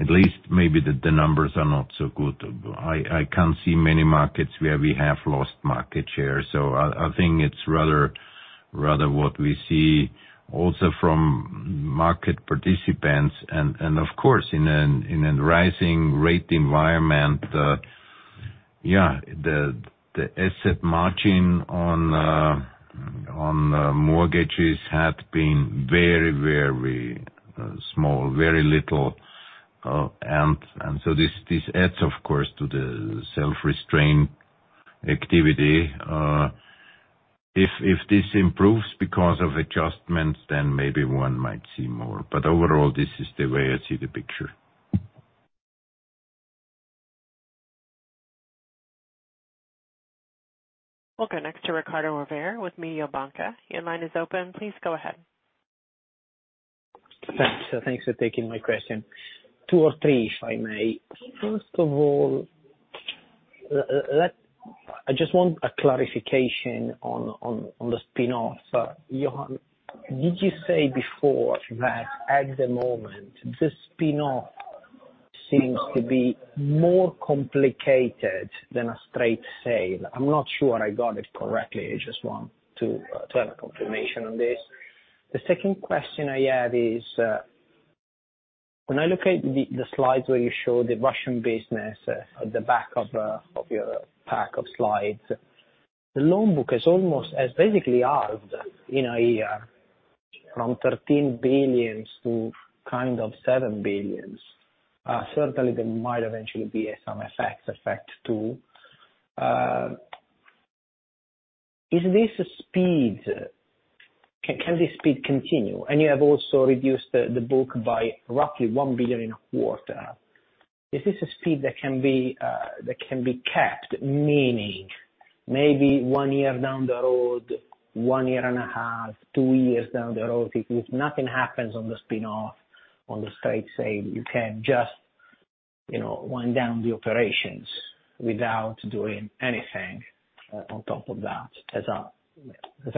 at least maybe the numbers are not so good. I, I can't see many markets where we have lost market share. I, I think it's rather, rather what we see also from market participants. Of course, in an, in a rising rate environment, the asset margin on mortgages had been very, very small, very little. This adds, of course, to the self-restraint activity. If this improves because of adjustments, then maybe one might see more. Overall, this is the way I see the picture. We'll go next to Riccardo Rovere with Mediobanca. Your line is open. Please go ahead. Thanks. Thanks for taking my question. Two or three, if I may. First of all, I just want a clarification on the spin-off. Johann, did you say before that at the moment, the spin-off seems to be more complicated than a straight sale? I'm not sure I got it correctly. I just want to have a confirmation on this. The second question I have is, when I look at the slides where you show the Russian business at the back of your pack of slides, the loan book is almost as basically halved in a year, from 13 billion to kind of 7 billion. Certainly, there might eventually be some effects, effect too. Is this speed... can this speed continue? You have also reduced the book by roughly 1 billion in quarter. Is this a speed that can be that can be kept, meaning maybe 1 year down the road, 1.5 years, 2 years down the road, if, if nothing happens on the spin-off, on the straight sale, you can just, you know, wind down the operations without doing anything on top of that as an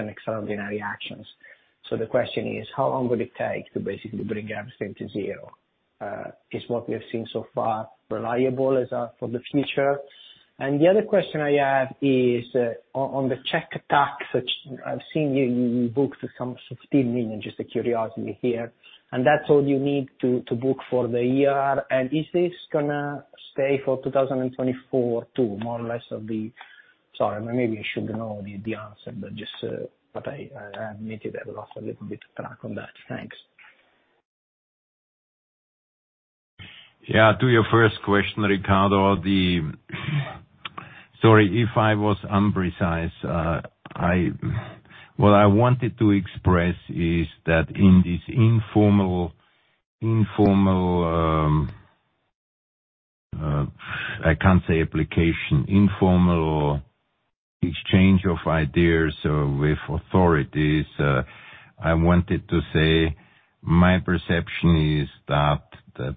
extraordinary actions. The question is: How long will it take to basically bring everything to 0? Is what we have seen so far reliable as for the future? The other question I have is on the Czech tax, which I've seen you, you booked some 16 million, just a curiosity here, and that's all you need to, to book for the year. Is this gonna stay for 2024, too, more or less of the, Sorry, maybe I should know the, the answer, but just, but I, I admit it, I lost a little bit of track on that. Thanks. To your first question, Ricardo. Sorry, if I was imprecise, What I wanted to express is that in this informal, informal, I can't say application, informal exchange of ideas with authorities, I wanted to say my perception is that, that,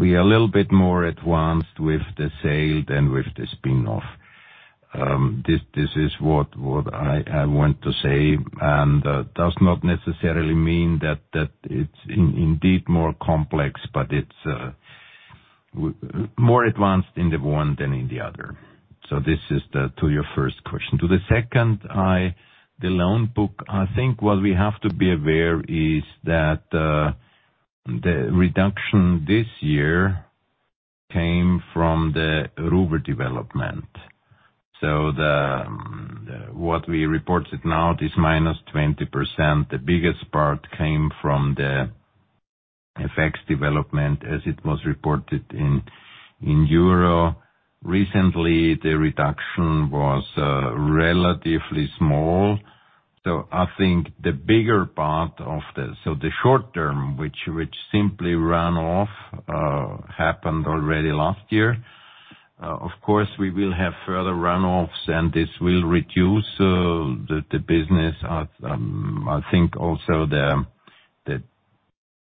we are a little bit more advanced with the sale than with the spin-off. This, this is what, what I, I want to say, and does not necessarily mean that, that it's indeed more complex, but it's more advanced in the one than in the other. This is the to your first question. To the second, the loan book, I think what we have to be aware is that the reduction this year came from the ruble development. The, what we reported now is minus 20%. The biggest part came from the effects development as it was reported in Euro. Recently, the reduction was relatively small, I think the bigger part of the -- the short term, which, which simply run off, happened already last year. Of course, we will have further runoffs, and this will reduce the business. I think also the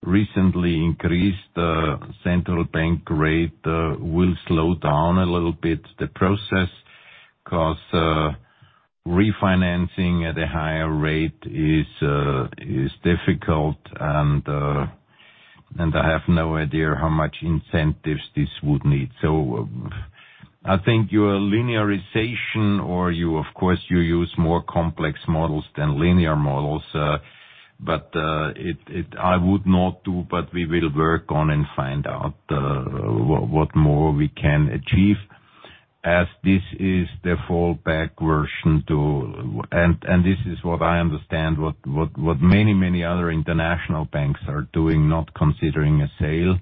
recently increased central bank rate will slow down a little bit the process, because refinancing at a higher rate is difficult, and I have no idea how much incentives this would need. I think your linearization or you, of course, you use more complex models than linear models, but I would not do, but we will work on and find out what, what more we can achieve, as this is the fallback version to... This is what I understand, what, what, what many, many other international banks are doing, not considering a sale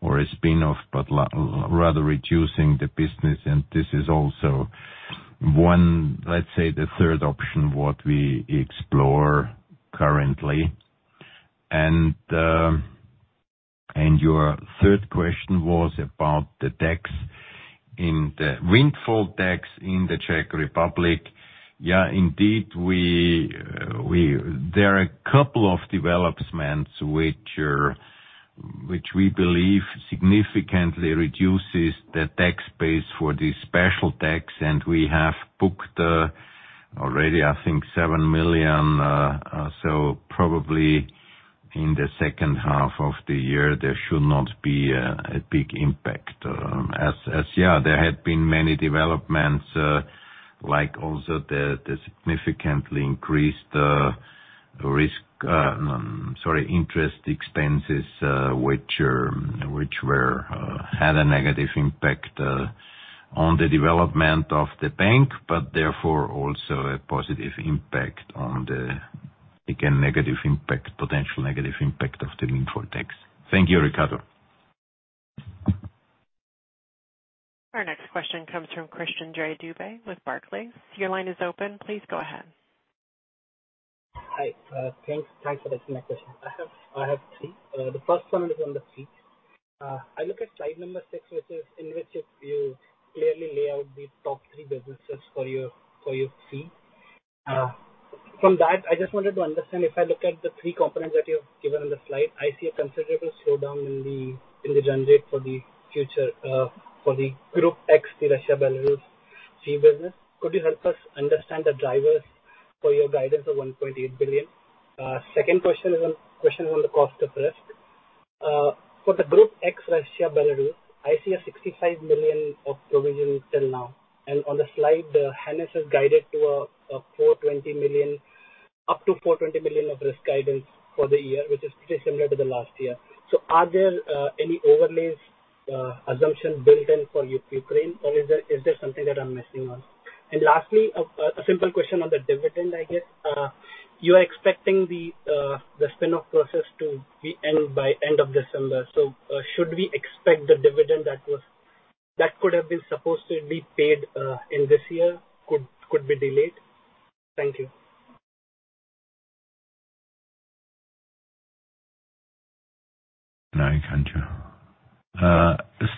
or a spin-off, but rather reducing the business. This is also one, let's say, the third option, what we explore currently. Your third question was about the tax windfall tax in the Czech Republic. Indeed, There are a couple of developments which are, which we believe significantly reduces the tax base for this special tax, and we have booked already, I think, 7 million. So probably in the second half of the year, there should not be a big impact. As there had been many developments, like also the significantly increased risk, sorry, interest expenses, which were had a negative impact on the development of the bank, but therefore also a positive impact on the again, negative impact, potential negative impact of the windfall tax. Thank you, Ricardo. Our next question comes from Christian Dubs with Barclays. Your line is open. Please go ahead. Hi. Thanks, thanks for taking my question. I have, I have three. The first one is on the fee. I look at slide number six, in which you clearly lay out the top three businesses for your fee. From that, I just wanted to understand, if I look at the three components that you have given on the slide, I see a considerable slowdown in the generate for the future, for the group X, the Russia-Belarus fee business. Could you help us understand the drivers for your guidance of 1.8 billion? Second question is on the cost of risk. For the group X, Russia-Belarus, I see 65 million of provision till now, and on the slide, Hannes has guided to 420 million, up to 420 million of risk guidance for the year, which is pretty similar to the last year. Are there any overlays, assumption built in for Ukraine, or is there something that I'm missing on? Lastly, a simple question on the dividend, I guess. You are expecting the spin-off process to be end by end of December. Should we expect the dividend that was that could have been supposed to be paid in this year, could, could be delayed? Thank you.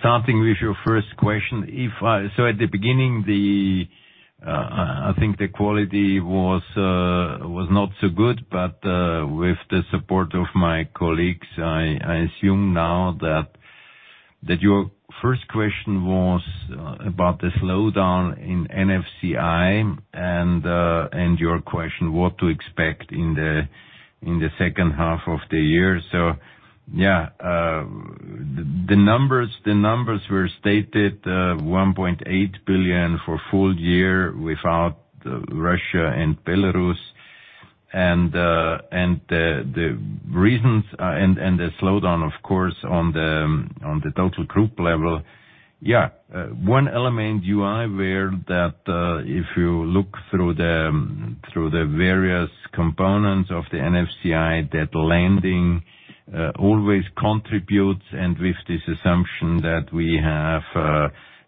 Starting with your first question, at the beginning, the, I think the quality was not so good, but with the support of my colleagues, I assume now that your first question was about the slowdown in NFCI, and your question, what to expect in the second half of the year. the numbers, the numbers were stated 1.8 billion for full year without Russia and Belarus. The reasons, and the slowdown, of course, on the total group level. One element you are aware that, if you look through the, through the various components of the NFCI, that lending always contributes, and with this assumption that we have,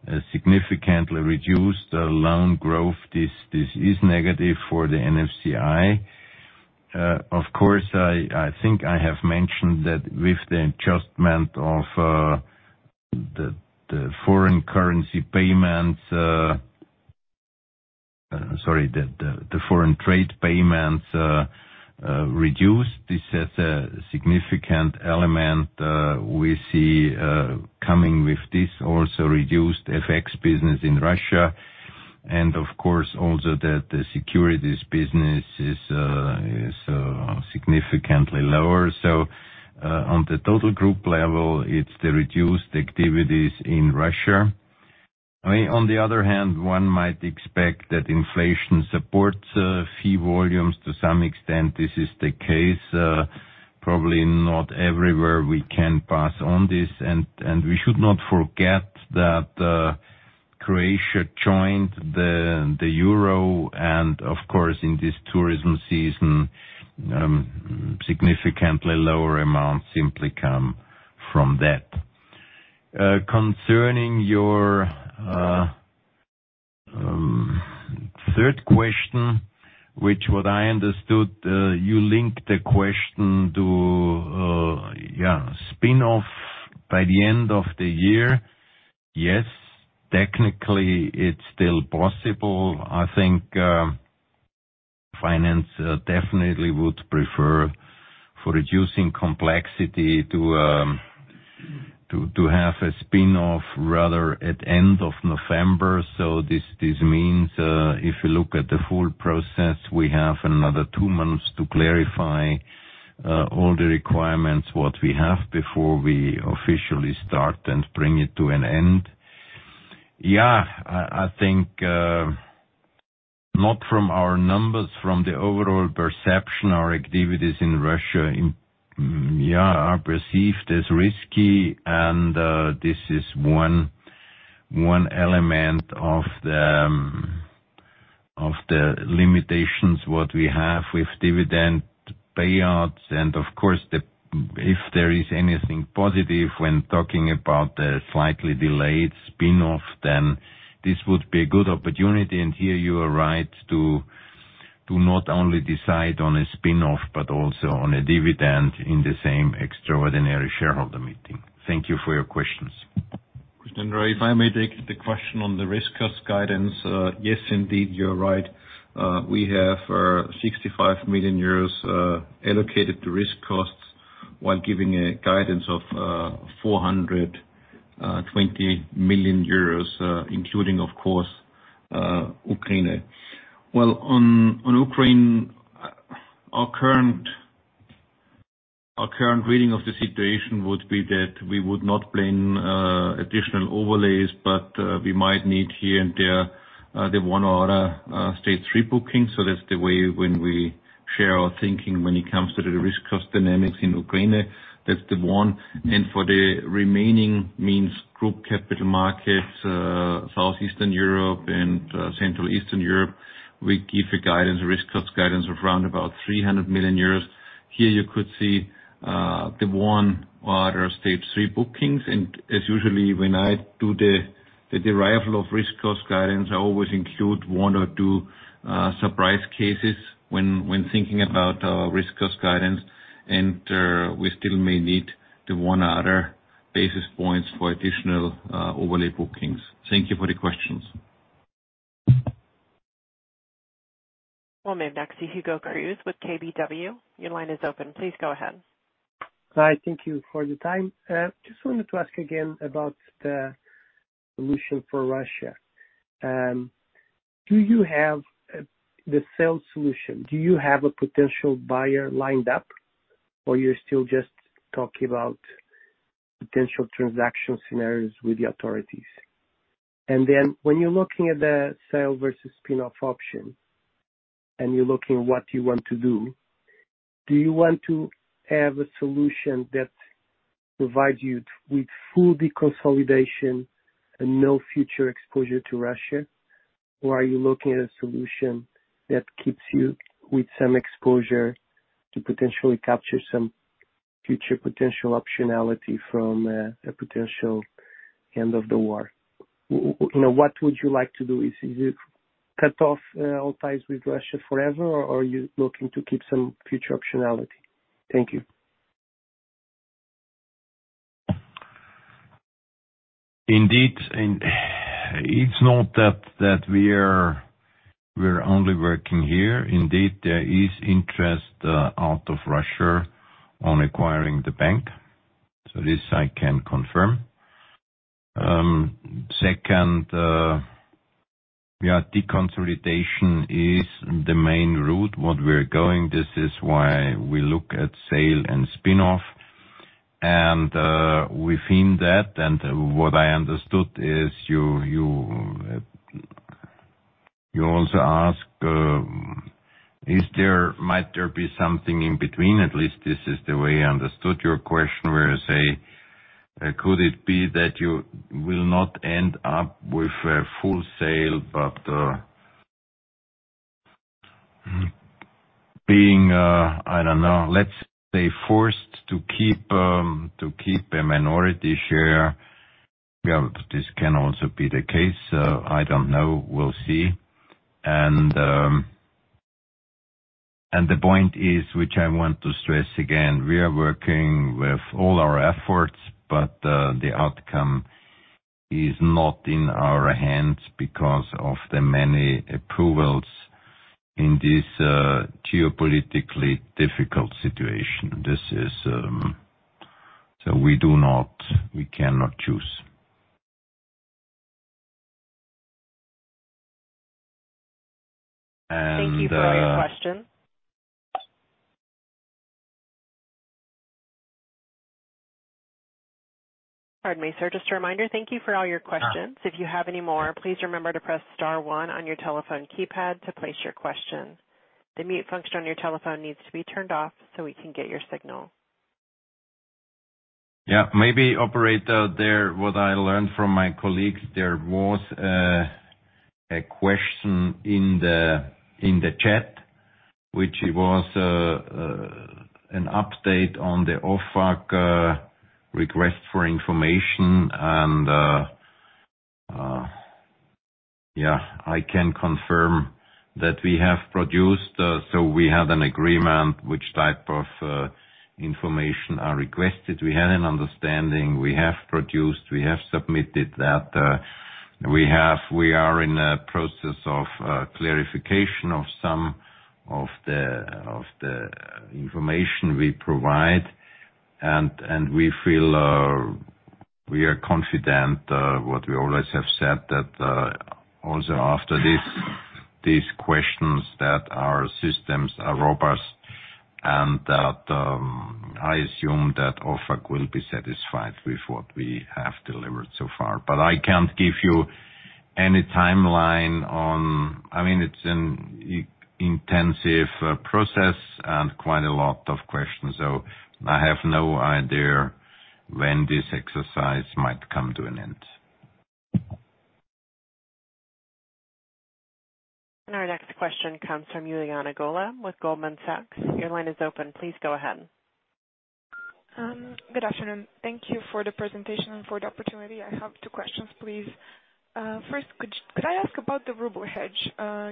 a significantly reduced loan growth, this, this is negative for the NFCI. Of course, I, I think I have mentioned that with the adjustment of the, the foreign currency payments, sorry, the, the, the foreign trade payments reduced, this has a significant element, we see coming with this also reduced FX business in Russia, and of course, also that the securities business is significantly lower. On the total group level, it's the reduced activities in Russia. I mean, on the other hand, one might expect that inflation supports, fee volumes. To some extent, this is the case. Probably not everywhere we can pass on this, and, and we should not forget that Croatia joined the euro, and of course, in this tourism season, significantly lower amounts simply come from that. Concerning your third question, which what I understood, you linked the question to, spin-off by the end of the year. Yes, technically, it's still possible. I think finance definitely would prefer for reducing complexity to have a spin-off rather at end of November. This, this means, if you look at the full process, we have another two months to clarify all the requirements, what we have before we officially start and bring it to an end. I think, not from our numbers, from the overall perception, our activities in Russia, are perceived as risky, and this is one, one element of the, of the limitations, what we have with dividend payouts. Of course, if there is anything positive when talking about the slightly delayed spin-off, then this would be a good opportunity. Here you are right to, to not only decide on a spin-off, but also on a dividend in the same extraordinary shareholder meeting. Thank you for your questions. Christian, if I may take the question on the risk cost guidance. Yes, indeed, you're right. We have 65 million euros allocated to risk costs while giving a guidance of 420 million euros, including, of course, Ukraine. Well, on Ukraine, our current reading of the situation would be that we would not plan additional overlays, but we might need here and there the one or other stage three bookings. That's the way when we share our thinking when it comes to the risk cost dynamics in Ukraine. That's the one. For the remaining means, Group Capital Markets, Southeastern Europe and Central Eastern Europe, we give a guidance, risk cost guidance of around about 300 million euros. Here you could see, the one or other stage three bookings. As usually when I do the, the arrival of risk cost guidance, I always include one or two, surprise cases when, when thinking about, risk cost guidance, and, we still may need the one other basis points for additional, overlay bookings. Thank you for the questions. Well, next to Hugo Cruz with KBW. Your line is open. Please go ahead. Hi, thank you for the time. Just wanted to ask again about the solution for Russia. Do you have the sales solution? Do you have a potential buyer lined up, or you're still just talking about potential transaction scenarios with the authorities? When you're looking at the sale versus spin-off option, and you're looking what you want to do, do you want to have a solution that provides you with full deconsolidation and no future exposure to Russia? Or are you looking at a solution that keeps you with some exposure to potentially capture some future potential optionality from a potential end of the war? What would you like to do? Is it cut off all ties with Russia forever, or are you looking to keep some future optionality? Thank you. Indeed, it's not that we are. We're only working here. Indeed, there is interest out of Russia on acquiring the bank, this I can confirm. Second, deconsolidation is the main route, what we're going. This is why we look at sale and spin-off. Within that, and what I understood is you also ask, is there might there be something in between? At least this is the way I understood your question, where you say, could it be that you will not end up with a full sale, being, I don't know, let's say, forced to keep a minority share? This can also be the case. I don't know. We'll see. The point is, which I want to stress again, we are working with all our efforts, but the outcome is not in our hands because of the many approvals in this geopolitically difficult situation. This is. We cannot choose. Thank you for all your questions. Pardon me, sir. Just a reminder, thank you for all your questions. If you have any more, please remember to press star one on your telephone keypad to place your question. The mute function on your telephone needs to be turned off so we can get your signal. Maybe, operator, there, what I learned from my colleagues, there was a question in the chat, which was an update on the OFAC request for information. I can confirm that we have produced. So we had an agreement, which type of information are requested. We had an understanding, we have produced, we have submitted that. We are in a process of clarification of some of the information we provide, and we feel we are confident, what we always have said, that also after this, these questions, that our systems are robust and that I assume that OFAC will be satisfied with what we have delivered so far. I can't give you any timeline on I mean, it's an intensive process and quite a lot of questions, so I have no idea when this exercise might come to an end. Our next question comes from Juliane Gola with Goldman Sachs. Your line is open. Please go ahead. Good afternoon. Thank you for the presentation and for the opportunity. I have two questions, please. First, could I ask about the ruble hedge?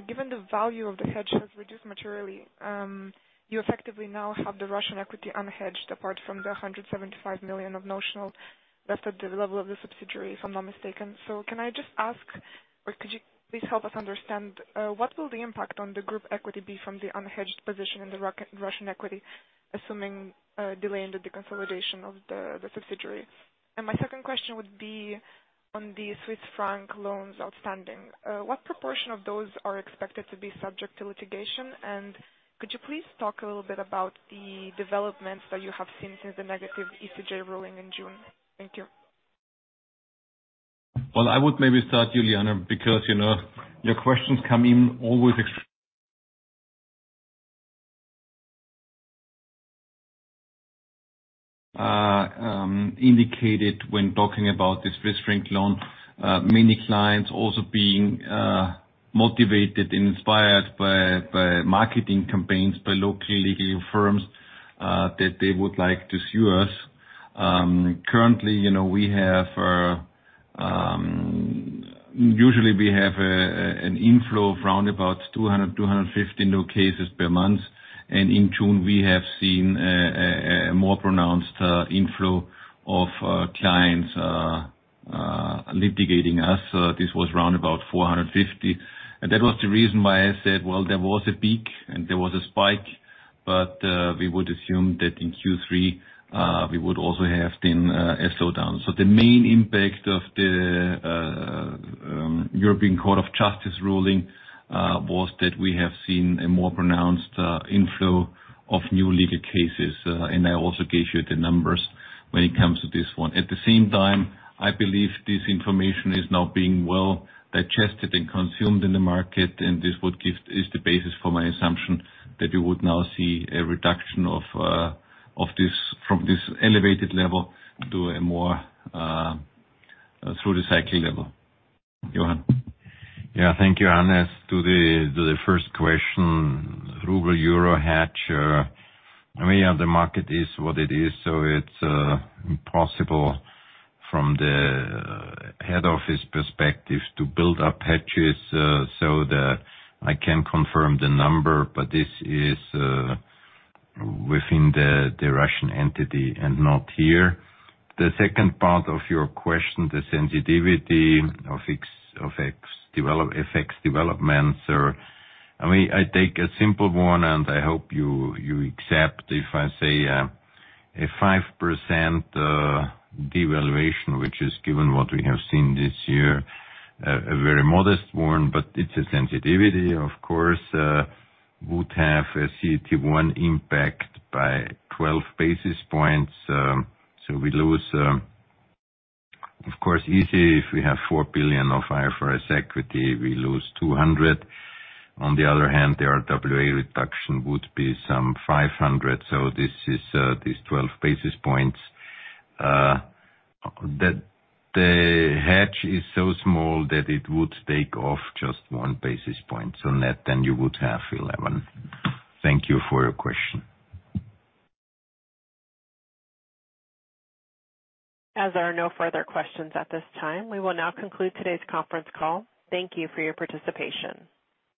Given the value of the hedge has reduced materially, you effectively now have the Russian equity unhedged, apart from the 175 million of notional that's at the level of the subsidiary, if I'm not mistaken. Can I just ask, or could you please help us understand, what will the impact on the group equity be from the unhedged position in the Russian equity, assuming, delay in the deconsolidation of the subsidiary? My second question would be on the Swiss franc loans outstanding. What proportion of those are expected to be subject to litigation? Could you please talk a little bit about the developments that you have seen since the negative ECJ ruling in June? Thank you. Well, I would maybe start, Juliane, because, you know, your questions come in always indicated when talking about the Swiss franc loan. Many clients also being motivated and inspired by, by marketing campaigns, by local legal firms, that they would like to sue us. Currently, you know, we have, usually we have an inflow of round about 200, 250 new cases per month. In June, we have seen a more pronounced inflow of clients litigating us. This was round about 450. That was the reason why I said, well, there was a peak and there was a spike, but we would assume that in Q3, we would also have been a slowdown. The main impact of the European Court of Justice ruling was that we have seen a more pronounced inflow of new legal cases, and I also gave you the numbers when it comes to this one. At the same time, I believe this information is now being well digested and consumed in the market, and this is the basis for my assumption that we would now see a reduction of this, from this elevated level to a more through the cycling level. Johann? Thank you, Johannes. To the first question, ruble-euro hedge. I mean, the market is what it is, so it's impossible from the head office perspective to build up hedges. I can confirm the number, but this is within the Russian entity and not here. The second part of your question, the sensitivity of effects developments. I mean, I take a simple one, and I hope you, you accept if I say, a 5% devaluation, which is given what we have seen this year, a very modest one, but it's a sensitivity, of course, would have a CET1 impact by 12 basis points. So we lose, of course, easy, if we have 4 billion of IFRS equity, we lose 200 million. On the other hand, the RWA reduction would be some 500 million, so this is these 12 basis points. That the hedge is so small that it would take off just 1 basis point. Net, then you would have 11. Thank you for your question. As there are no further questions at this time, we will now conclude today's conference call. Thank you for your participation.